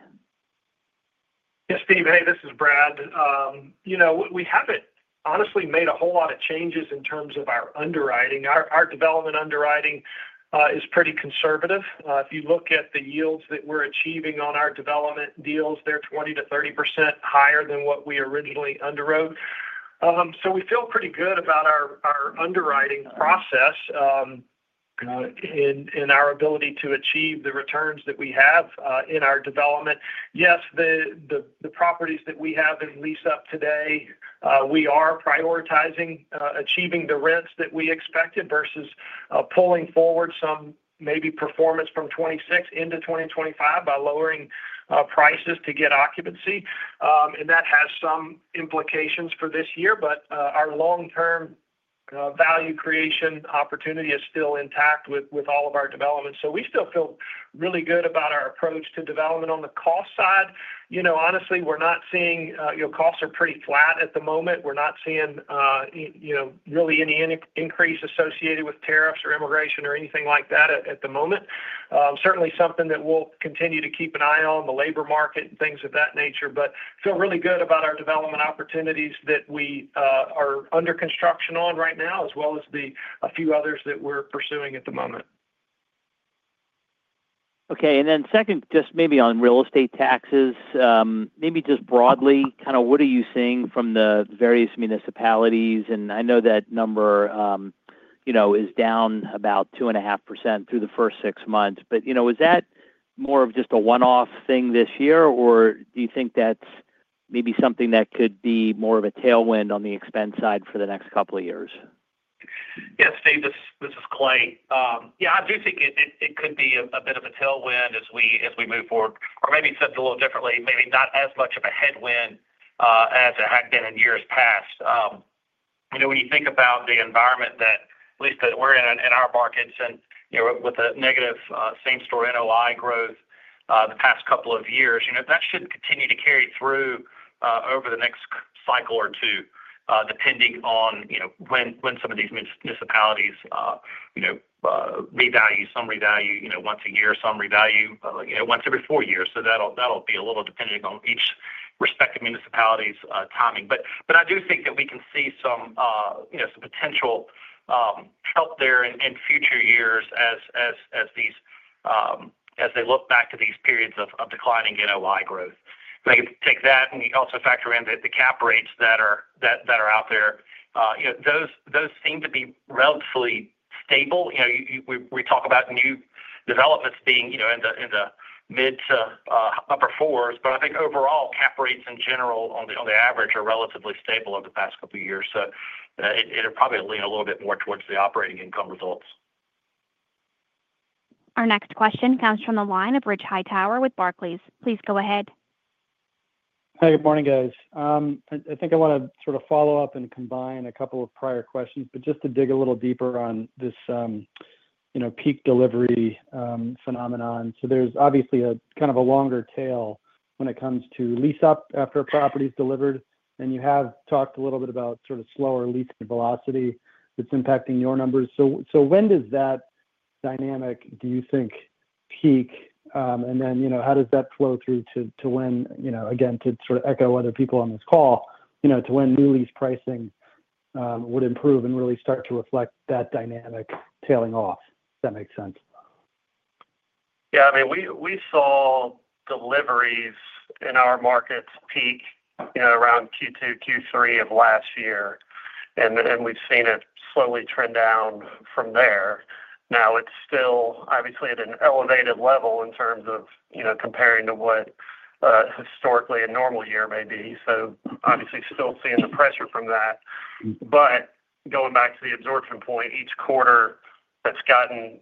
S3: Yes, Steve. Hey, this is Brad. We haven't honestly made a whole lot of changes in terms of our underwriting. Our development underwriting is pretty conservative. If you look at the yields that we're achieving on our development deals, they're 20% to 30% higher than what we originally underwrote. We feel pretty good about our underwriting process and our ability to achieve the returns that we have in our development. The properties that we have in lease up today, we are prioritizing achieving the rents that we expected versus pulling forward some maybe performance from 2026 into 2025 by lowering prices to get occupancy. That has some implications for this year. Our long-term value creation opportunity is still intact with all of our development. We still feel really good about our approach to development on the cost side. Honestly, we're not seeing costs are pretty flat at the moment. We're not seeing really any increase associated with tariffs or immigration or anything like that at the moment. Certainly something that we'll continue to keep an eye on, the labor market and things of that nature. I feel really good about our development opportunities that we are under construction on right now, as well as the few others that we're pursuing at the moment.
S14: Okay. Second, just maybe on real estate taxes, maybe just broadly, kind of what are you seeing from the various municipalities? I know that number is down about 2.5% through the first six months. Is that more of just a one-off thing this year, or do you think that's maybe something that could be more of a tailwind on the expense side for the next couple of years?
S5: Yes, Steve, this is Clay. Yeah, I do think it could be a bit of a tailwind as we move forward. Or maybe said a little differently, maybe not as much of a headwind as it had been in years past. When you think about the environment that at least that we're in in our markets and with a negative same-store NOI growth the past couple of years, that should continue to carry through. Over the next cycle or two, depending on when some of these municipalities re-value, some re-value once a year, some re-value once every four years. That'll be a little dependent on each respective municipality's timing. I do think that we can see some potential help there in future years as they look back to these periods of declining NOI growth. If I could take that and we also factor in the cap rates that are out there, those seem to be relatively stable. We talk about new developments being in the mid to upper fours. I think overall, cap rates in general on the average are relatively stable over the past couple of years. It'll probably lean a little bit more towards the operating income results.
S1: Our next question comes from the line of Rich Hightower with Barclays. Please go ahead.
S15: Hey, good morning, guys. I think I want to sort of follow up and combine a couple of prior questions, just to dig a little deeper on this peak delivery phenomenon. There's obviously a kind of a longer tail when it comes to lease up after a property is delivered. You have talked a little bit about sort of slower lease velocity that's impacting your numbers. When does that dynamic, do you think, peak? How does that flow through to when, again, to sort of echo other people on this call, to when new lease pricing would improve and really start to reflect that dynamic tailing off, if that makes sense?
S4: Yeah. I mean, we saw deliveries in our markets peak around Q2, Q3 of last year, and we've seen it slowly trend down from there. Now, it's still obviously at an elevated level in terms of comparing to what historically a normal year may be. Obviously, still seeing the pressure from that. Going back to the absorption point, each quarter that's gotten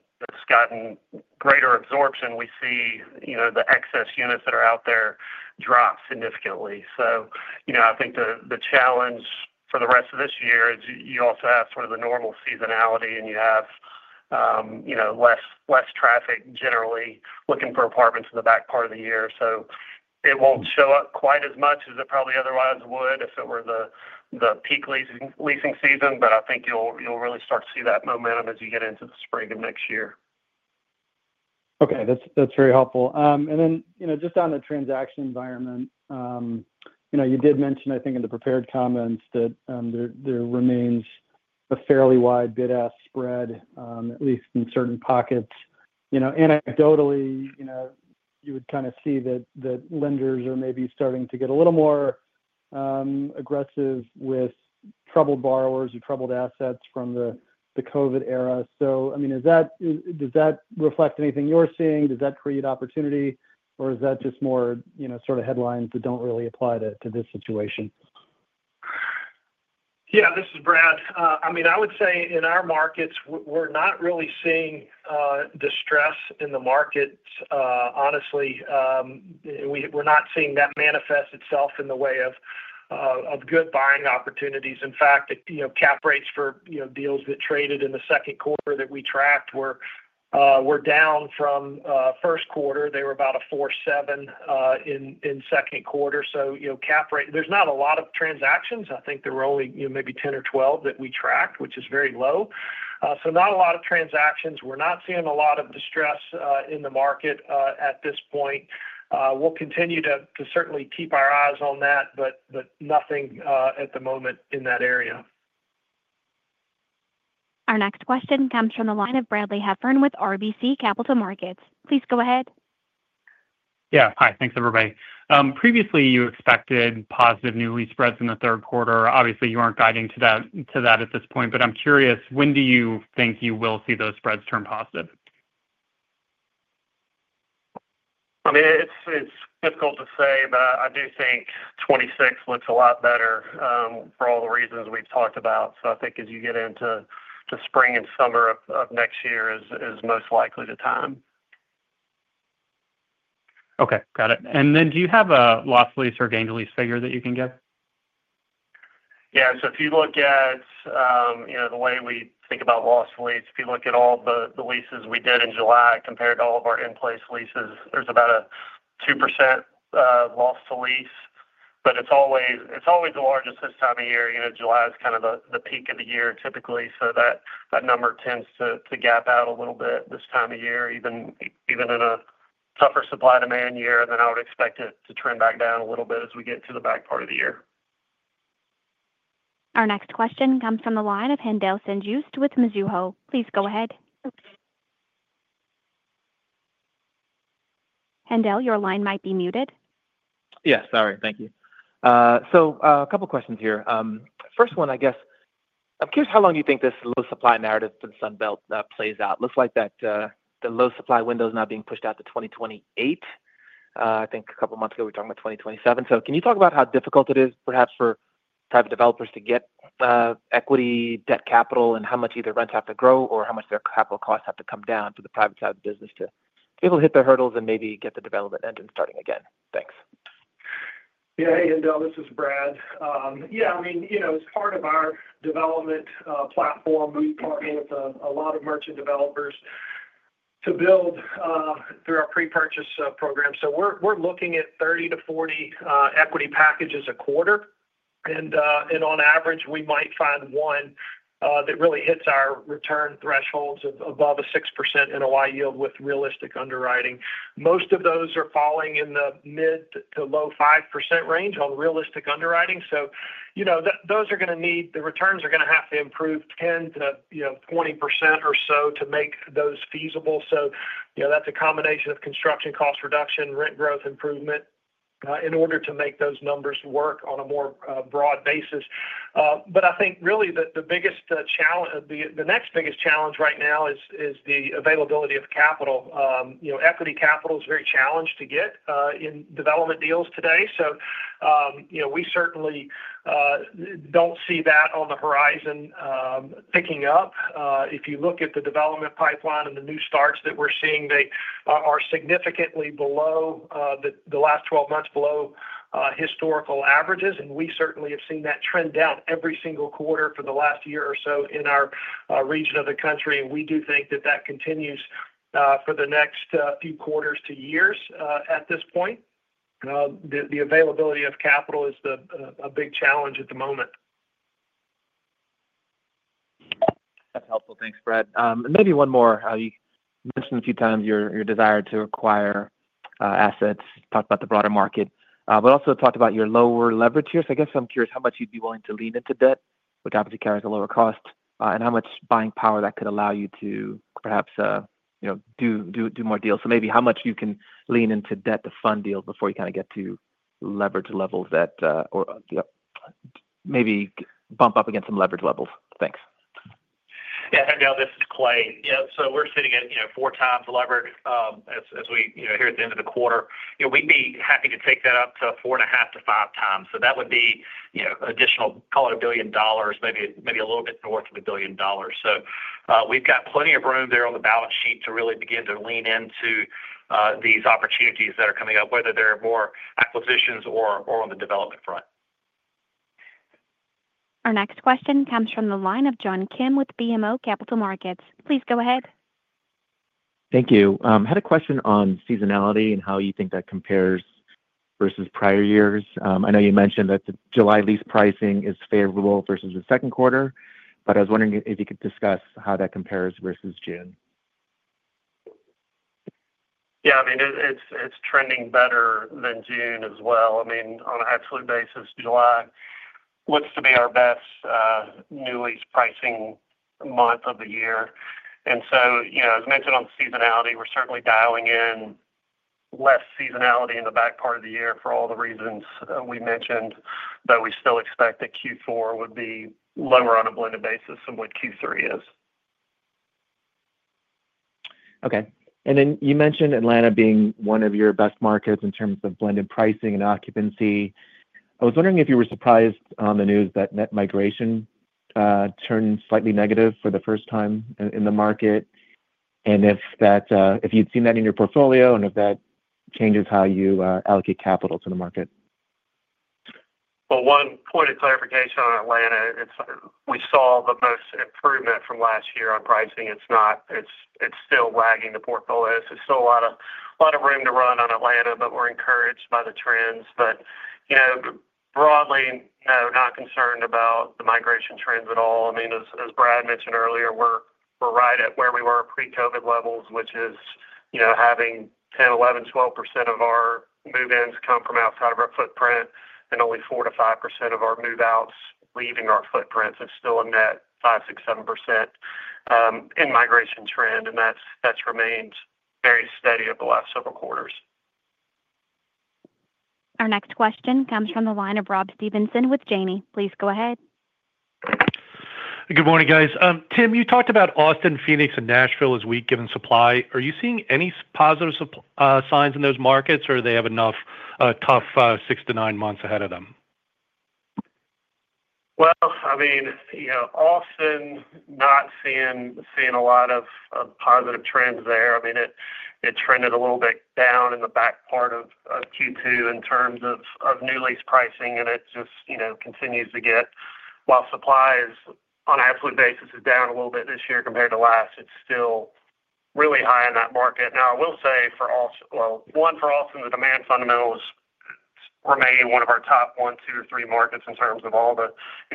S4: greater absorption, we see the excess units that are out there drop significantly. I think the challenge for the rest of this year is you also have sort of the normal seasonality, and you have less traffic generally looking for apartments in the back part of the year. It won't show up quite as much as it probably otherwise would if it were the peak leasing season. I think you'll really start to see that momentum as you get into the spring of next year.
S15: Okay. That's very helpful. Just on the transaction environment, you did mention, I think, in the prepared comments that there remains a fairly wide bid-ask spread, at least in certain pockets. Anecdotally, you would kind of see that lenders are maybe starting to get a little more aggressive with troubled borrowers or troubled assets from the COVID era. Does that reflect anything you're seeing? Does that create opportunity, or is that just more sort of headlines that don't really apply to this situation?
S3: Yeah, this is Brad. I mean, I would say in our markets, we're not really seeing distress in the markets, honestly. We're not seeing that manifest itself in the way of good buying opportunities. In fact, cap rates for deals that traded in the second quarter that we tracked were down from first quarter. They were about 4.7% in second quarter. There's not a lot of transactions. I think there were only maybe 10 or 12 that we tracked, which is very low. Not a lot of transactions. We're not seeing a lot of distress in the market at this point. We'll continue to certainly keep our eyes on that, but nothing at the moment in that area.
S1: Our next question comes from the line of Brad Heffern with RBC Capital Markets. Please go ahead.
S16: Yeah. Hi. Thanks, everybody. Previously, you expected positive new lease spreads in the third quarter. Obviously, you aren't guiding to that at this point. I'm curious, when do you think you will see those spreads turn positive?
S4: I mean, it's difficult to say, but I do think 2026 looks a lot better for all the reasons we've talked about. I think as you get into spring and summer of next year, it is most likely the time.
S16: Okay. Got it. Do you have a lost lease or gained lease figure that you can give?
S4: Yeah. If you look at the way we think about loss to lease, if you look at all the leases we did in July compared to all of our in-place leases, there's about a 2% loss to lease. It's always the largest this time of year. July is kind of the peak of the year typically, so that number tends to gap out a little bit this time of year, even in a tougher supply-demand year. I would expect it to trend back down a little bit as we get to the back part of the year.
S1: Our next question comes from the line of Haendel St. Juste with Mizuho. Please go ahead. Haendel, your line might be muted.
S17: Yes. Sorry. Thank you. A couple of questions here. First one, I guess, I'm curious how long you think this low supply narrative for the Sunbelt plays out. It looks like the low supply window is now being pushed out to 2028. I think a couple of months ago, we were talking about 2027. Can you talk about how difficult it is perhaps for private developers to get equity debt capital, and how much either rents have to grow or how much their capital costs have to come down for the private side of the business to be able to hit the hurdles and maybe get the development engine starting again? Thanks.
S3: Yeah. Hey, Haendel, this is Brad. Yeah. I mean, it's part of our development platform. We've partnered with a lot of merchant developers to build through our pre-purchase program. We're looking at 30 to 40 equity packages a quarter, and on average, we might find one that really hits our return thresholds of above a 6% NOI yield with realistic underwriting. Most of those are falling in the mid to low 5% range on realistic underwriting. Those are going to need the returns to improve 10% to 20% or so to make those feasible. That's a combination of construction cost reduction and rent growth improvement in order to make those numbers work on a more broad basis. I think really the biggest challenge, the next biggest challenge right now is the availability of capital. Equity capital is very challenged to get in development deals today. We certainly don't see that on the horizon picking up. If you look at the development pipeline and the new starts that we're seeing, they are significantly below the last 12 months, below historical averages. We certainly have seen that trend down every single quarter for the last year or so in our region of the country. We do think that continues for the next few quarters to years at this point. The availability of capital is a big challenge at the moment.
S17: That's helpful. Thanks, Brad. Maybe one more. You mentioned a few times your desire to acquire assets, talked about the broader market, but also talked about your lower leverage here. I guess I'm curious how much you'd be willing to lean into debt, which obviously carries a lower cost, and how much buying power that could allow you to perhaps do more deals. Maybe how much you can lean into debt to fund deals before you kind of get to leverage levels that maybe bump up against some leverage levels. Thanks.
S5: Yeah. Hey, Haendel, this is Clay. We're sitting at 4x leverage as we are here at the end of the quarter. We'd be happy to take that up to 4.5 to 5times. That would be additional, call it $1 billion, maybe a little bit north of $1 billion. We've got plenty of room there on the balance sheet to really begin to lean into these opportunities that are coming up, whether they're more acquisitions or on the development front.
S1: Our next question comes from the line of John Kim with BMO Capital Markets. Please go ahead.
S18: Thank you. I had a question on seasonality and how you think that compares versus prior years. I know you mentioned that the July lease pricing is favorable versus the second quarter, but I was wondering if you could discuss how that compares versus June.
S4: Yeah, I mean, it's trending better than June as well. I mean, on an absolute basis, July looks to be our best new lease pricing month of the year. As mentioned on seasonality, we're certainly dialing in less seasonality in the back part of the year for all the reasons we mentioned, but we still expect that Q4 would be lower on a blended basis than what Q3 is.
S18: Okay. You mentioned Atlanta being one of your best markets in terms of blended pricing and occupancy. I was wondering if you were surprised on the news that net migration turned slightly negative for the first time in the market, and if you'd seen that in your portfolio, and if that changes how you allocate capital to the market.
S4: One point of clarification on Atlanta, we saw the most improvement from last year on pricing. It's still lagging the portfolios. There's still a lot of room to run on Atlanta, but we're encouraged by the trends. Broadly, no, not concerned about the migration trends at all. I mean, as Brad Hill mentioned earlier, we're right at where we were at pre-COVID levels, which is having 10%, 11%, 12% of our move-ins come from outside of our footprint and only 4% to 5% of our move-outs leaving our footprints. It's still a net 5%, 6%, 7% in migration trend, and that's remained very steady over the last several quarters.
S1: Our next question comes from the line of Rob Stevenson with Janney. Please go ahead.
S19: Good morning, guys. Tim, you talked about Austin, Phoenix, and Nashville this week given supply. Are you seeing any positive signs in those markets, or do they have another tough six to nine months ahead of them?
S4: I mean, Austin, not seeing a lot of positive trends there. It trended a little bit down in the back part of Q2 in terms of new lease pricing, and it just continues to get, while supply is on an absolute basis down a little bit this year compared to last, it's still really high in that market. For Austin, the demand fundamentals remain one of our top one, two, or three markets in terms of all the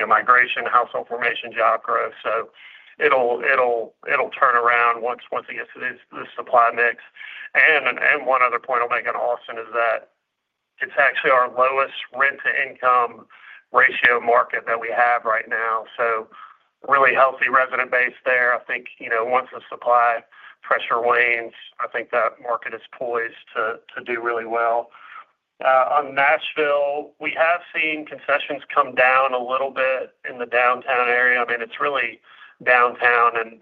S4: migration, household formation, job growth. It will turn around once it gets to this supply mix. One other point I'll make on Austin is that it's actually our lowest rent-to-income ratio market that we have right now. Really healthy resident base there. I think once the supply pressure wanes, that market is poised to do really well. On Nashville, we have seen concessions come down a little bit in the downtown area. It's really downtown and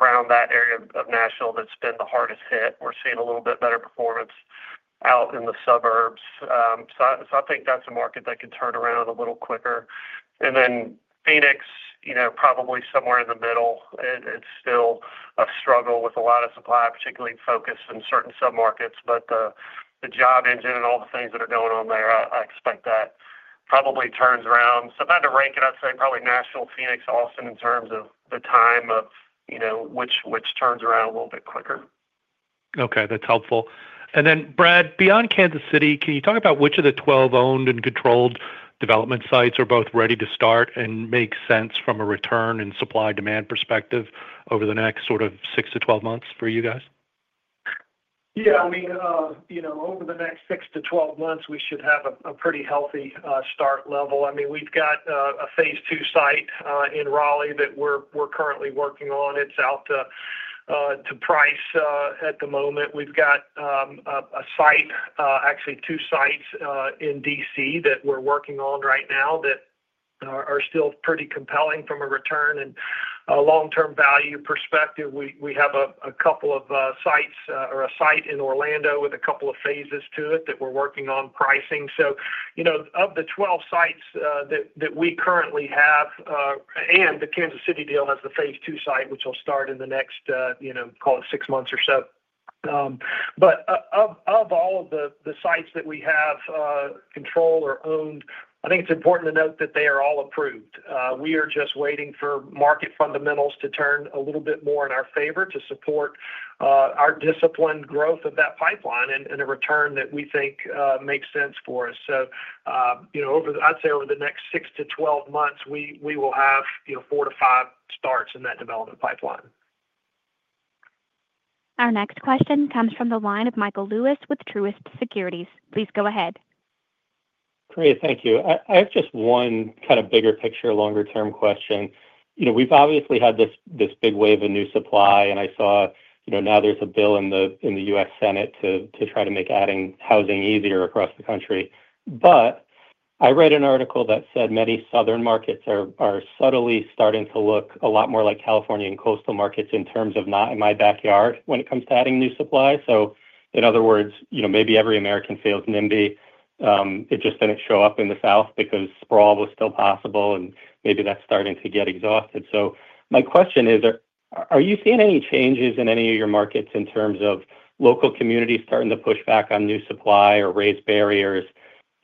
S4: around that area of Nashville that's been the hardest hit. We're seeing a little bit better performance out in the suburbs. I think that's a market that could turn around a little quicker. Phoenix, probably somewhere in the middle, it's still a struggle with a lot of supply, particularly focused in certain submarkets. The job engine and all the things that are going on there, I expect that probably turns around. If I had to rank it, I'd say probably Nashville, Phoenix, Austin in terms of the time of which turns around a little bit quicker.
S19: Okay. That's helpful. Brad, beyond Kansas City, can you talk about which of the 12 owned and controlled development sites are both ready to start and make sense from a return and supply-demand perspective over the next 6 to 12 months for you guys?
S4: Yeah. I mean, over the next 6 to 12 months, we should have a pretty healthy start level. I mean, we've got a phase two site in Raleigh that we're currently working on. It's out to price at the moment. We've got a site, actually two sites in DC that we're working on right now that are still pretty compelling from a return and long-term value perspective. We have a couple of sites or a site in Orlando with a couple of phases to it that we're working on pricing. Of the 12 sites that we currently have, and the Kansas City deal has the phase two site, which will start in the next, call it, 6 months or so. Of all of the sites that we have control or owned, I think it's important to note that they are all approved. We are just waiting for market fundamentals to turn a little bit more in our favor to support our disciplined growth of that pipeline and a return that we think makes sense for us. I'd say over the next 6 to 12 months, we will have four to five starts in that development pipeline.
S1: Our next question comes from the line of Michael Lewis with Truist Securities. Please go ahead.
S20: Great. Thank you. I have just one kind of bigger picture, longer-term question. We've obviously had this big wave of new supply, and I saw now there's a bill in the U.S. Senate to try to make adding housing easier across the country. I read an article that said many southern markets are subtly starting to look a lot more like California and coastal markets in terms of not in my backyard when it comes to adding new supply. In other words, maybe every American feels nimby. It just didn't show up in the South because sprawl was still possible, and maybe that's starting to get exhausted. My question is, are you seeing any changes in any of your markets in terms of local communities starting to push back on new supply or raise barriers,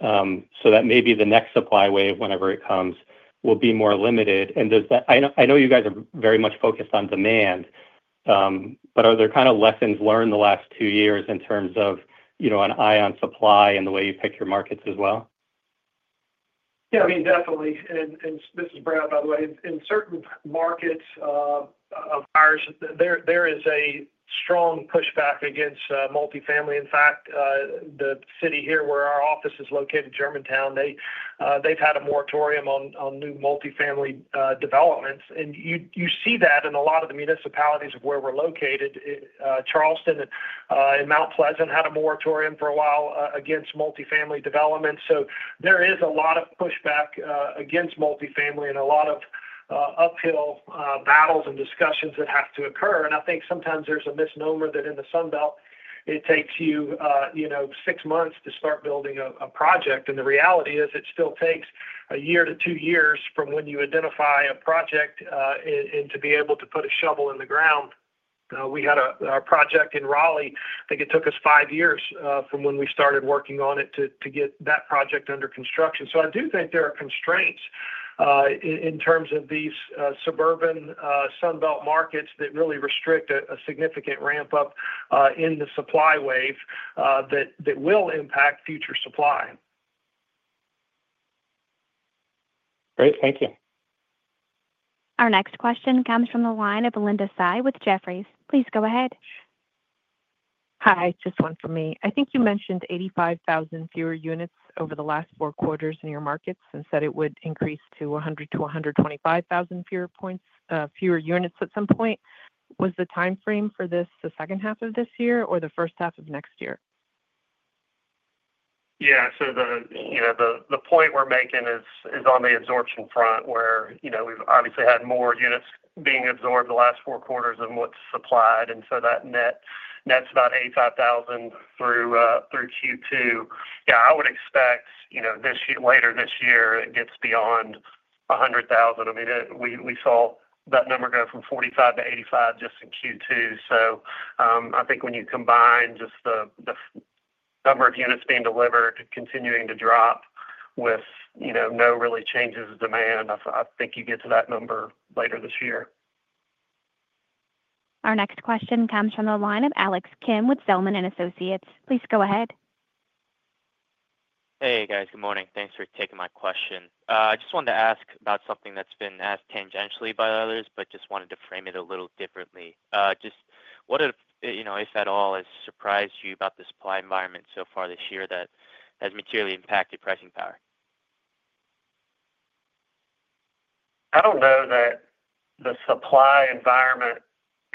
S20: so that maybe the next supply wave, whenever it comes, will be more limited? I know you guys are very much focused on demand. Are there kind of lessons learned the last two years in terms of an eye on supply and the way you pick your markets as well?
S3: Yeah. I mean, definitely. This is Brad, by the way. In certain markets of ours, there is a strong pushback against multifamily. In fact, the city here where our office is located, Germantown, they've had a moratorium on new multifamily developments. You see that in a lot of the municipalities where we're located. Charleston and Mount Pleasant had a moratorium for a while against multifamily development. There is a lot of pushback against multifamily and a lot of uphill battles and discussions that have to occur. I think sometimes there's a misnomer that in the Sunbelt, it takes you six months to start building a project. The reality is it still takes a year to two years from when you identify a project to be able to put a shovel in the ground. We had a project in Raleigh. I think it took us five years from when we started working on it to get that project under construction. I do think there are constraints in terms of these suburban Sunbelt markets that really restrict a significant ramp-up in the supply wave that will impact future supply.
S20: Great. Thank you.
S1: Our next question comes from the line of Linda Tsai with Jefferies. Please go ahead.
S21: Hi. Just one from me. I think you mentioned 85,000 fewer units over the last four quarters in your markets and said it would increase to 100,000 to 125,000 fewer units at some point. Was the timeframe for this the second half of this year or the first half of next year?
S4: The point we're making is on the absorption front where we've obviously had more units being absorbed the last four quarters than what's supplied. That nets about 85,000 through Q2. I would expect later this year it gets beyond 100,000. I mean, we saw that number go from 45,000 to 85,000 just in Q2. I think when you combine just the number of units being delivered, continuing to drop with no really changes in demand, I think you get to that number later this year.
S1: Our next question comes from the line of Alex Kim with Zelman & Associates. Please go ahead.
S22: Hey, guys. Good morning. Thanks for taking my question. I just wanted to ask about something that's been asked tangentially by others, but just wanted to frame it a little differently. What, if at all, has surprised you about the supply environment so far this year that has materially impacted pricing power?
S4: I don't know that. The supply environment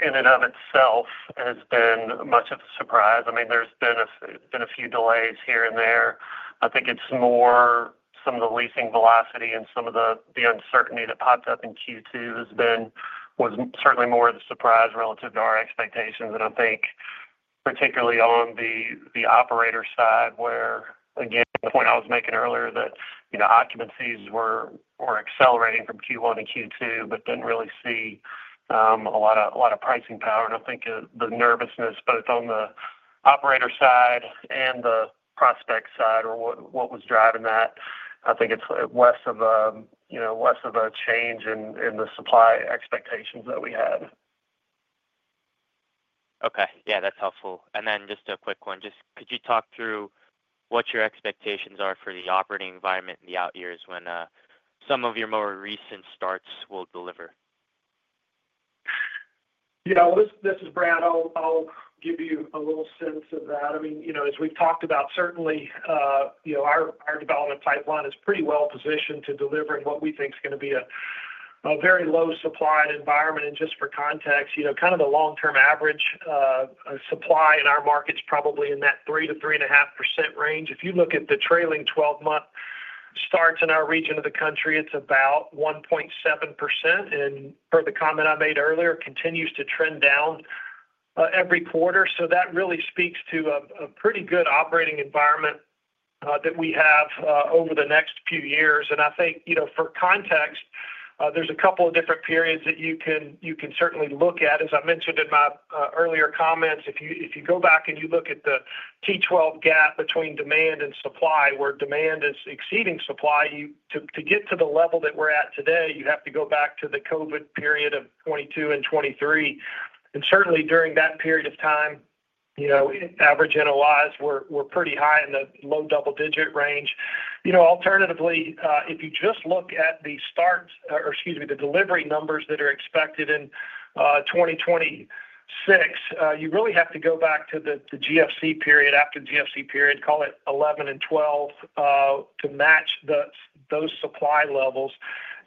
S4: in and of itself has been much of a surprise. There's been a few delays here and there. I think it's more some of the leasing velocity and some of the uncertainty that popped up in Q2 has been certainly more of a surprise relative to our expectations. I think particularly on the operator side where, again, the point I was making earlier that occupancies were accelerating from Q1 to Q2, but didn't really see a lot of pricing power. I think the nervousness both on the operator side and the prospect side are what was driving that. I think it's less of a change in the supply expectations that we had.
S22: Okay. Yeah, that's helpful. Just a quick one. Could you talk through what your expectations are for the operating environment and the out years when some of your more recent starts will deliver?
S3: Yeah. This is Brad. I'll give you a little sense of that. As we've talked about, certainly, our development pipeline is pretty well positioned to deliver in what we think is going to be a very low-supplied environment. Just for context, kind of the long-term average supply in our market is probably in that 3% to 3.5% range. If you look at the trailing 12-month starts in our region of the country, it's about 1.7%. Per the comment I made earlier, it continues to trend down every quarter. That really speaks to a pretty good operating environment that we have over the next few years. I think for context, there are a couple of different periods that you can certainly look at. As I mentioned in my earlier comments, if you go back and you look at the T12 gap between demand and supply, where demand is exceeding supply, to get to the level that we're at today, you have to go back to the COVID period of 2022 and 2023. Certainly, during that period of time, average NOIs were pretty high in the low double-digit range. Alternatively, if you just look at the start, or excuse me, the delivery numbers that are expected in 2026, you really have to go back to the GFC period, after the GFC period, call it 2011 and 2012, to match those supply levels.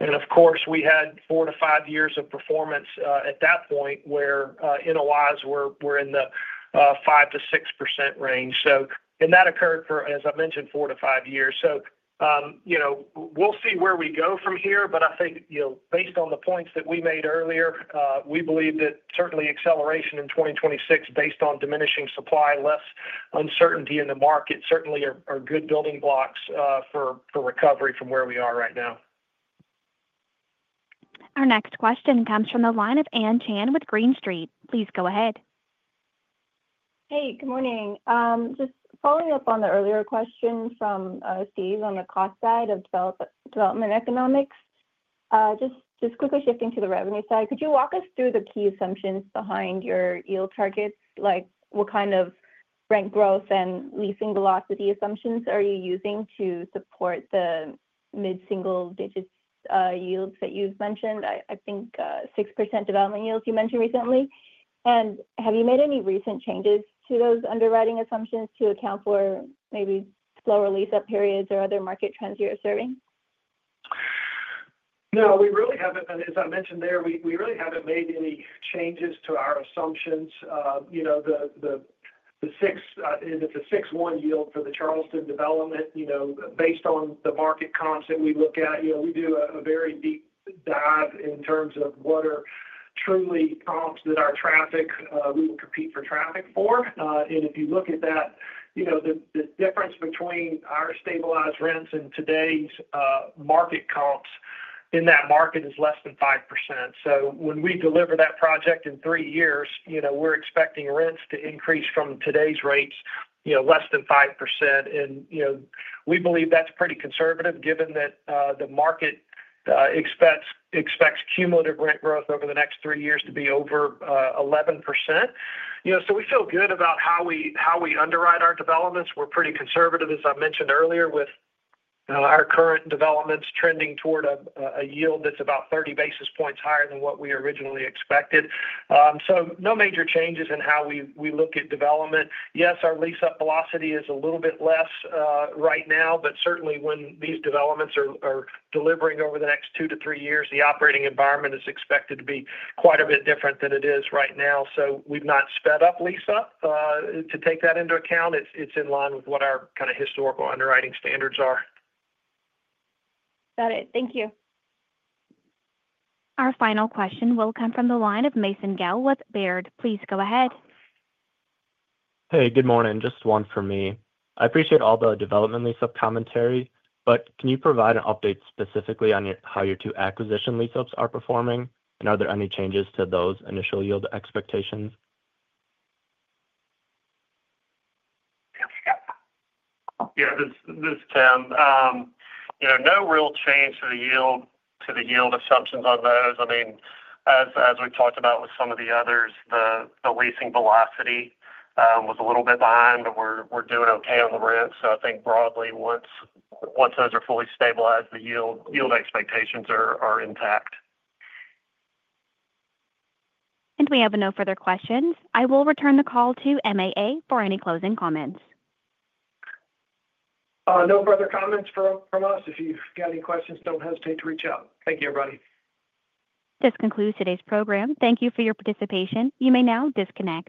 S3: Of course, we had four to five years of performance at that point where NOIs were in the 5% to 6% range, and that occurred for, as I mentioned, four to five years. We'll see where we go from here. I think based on the points that we made earlier, we believe that certainly acceleration in 2026 based on diminishing supply and less uncertainty in the market are good building blocks for recovery from where we are right now.
S1: Our next question comes from the line of Anne Chan with Green Street. Please go ahead.
S23: Hey. Good morning. Just following up on the earlier question from Steve on the cost side of development economics. Quickly shifting to the revenue side, could you walk us through the key assumptions behind your yield targets? What kind of rent growth and leasing velocity assumptions are you using to support the mid-single digit yields that you've mentioned? I think 6%. Development yields you mentioned recently. Have you made any recent changes to those underwriting assumptions to account for maybe slower lease-up periods or other market trends you're observing?
S2: No, we really haven't. As I mentioned, we really haven't made any changes to our assumptions. The 6.1% yield for the Charleston, South Carolina development, based on the market comps that we look at, we do a very deep dive in terms of what are truly comps that our traffic—we will compete for traffic for. If you look at that, the difference between our stabilized rents and today's market comps in that market is less than 5%. When we deliver that project in three years, we're expecting rents to increase from today's rates less than 5%. We believe that's pretty conservative given that the market expects cumulative rent growth over the next three years to be over 11%. We feel good about how we underwrite our developments. We're pretty conservative, as I mentioned earlier, with our current developments trending toward a yield that's about 30 basis points higher than what we originally expected. No major changes in how we look at development. Yes, our lease-up velocity is a little bit less right now, but certainly when these developments are delivering over the next two to three years, the operating environment is expected to be quite a bit different than it is right now. We've not sped up lease-up to take that into account. It's in line with what our kind of historical underwriting standards are.
S23: Got it. Thank you.
S1: Our final question will come from the line of Mason Gale with Baird. Please go ahead.
S24: Hey, good morning. Just one for me. I appreciate all the development lease-up commentary, but can you provide an update specifically on how your two acquisition lease-ups are performing, and are there any changes to those initial yield expectations?
S4: Yeah, this is Tim. No real change to the yield assumptions on those. As we've talked about with some of the others, the leasing velocity was a little bit behind, but we're doing okay on the rent. I think broadly, once those are fully stabilized, the yield expectations are intact.
S1: We have no further questions. I will return the call to MAA for any closing comments.
S2: No further comments from us. If you've got any questions, don't hesitate to reach out. Thank you, everybody.
S1: This concludes today's program. Thank you for your participation. You may now disconnect.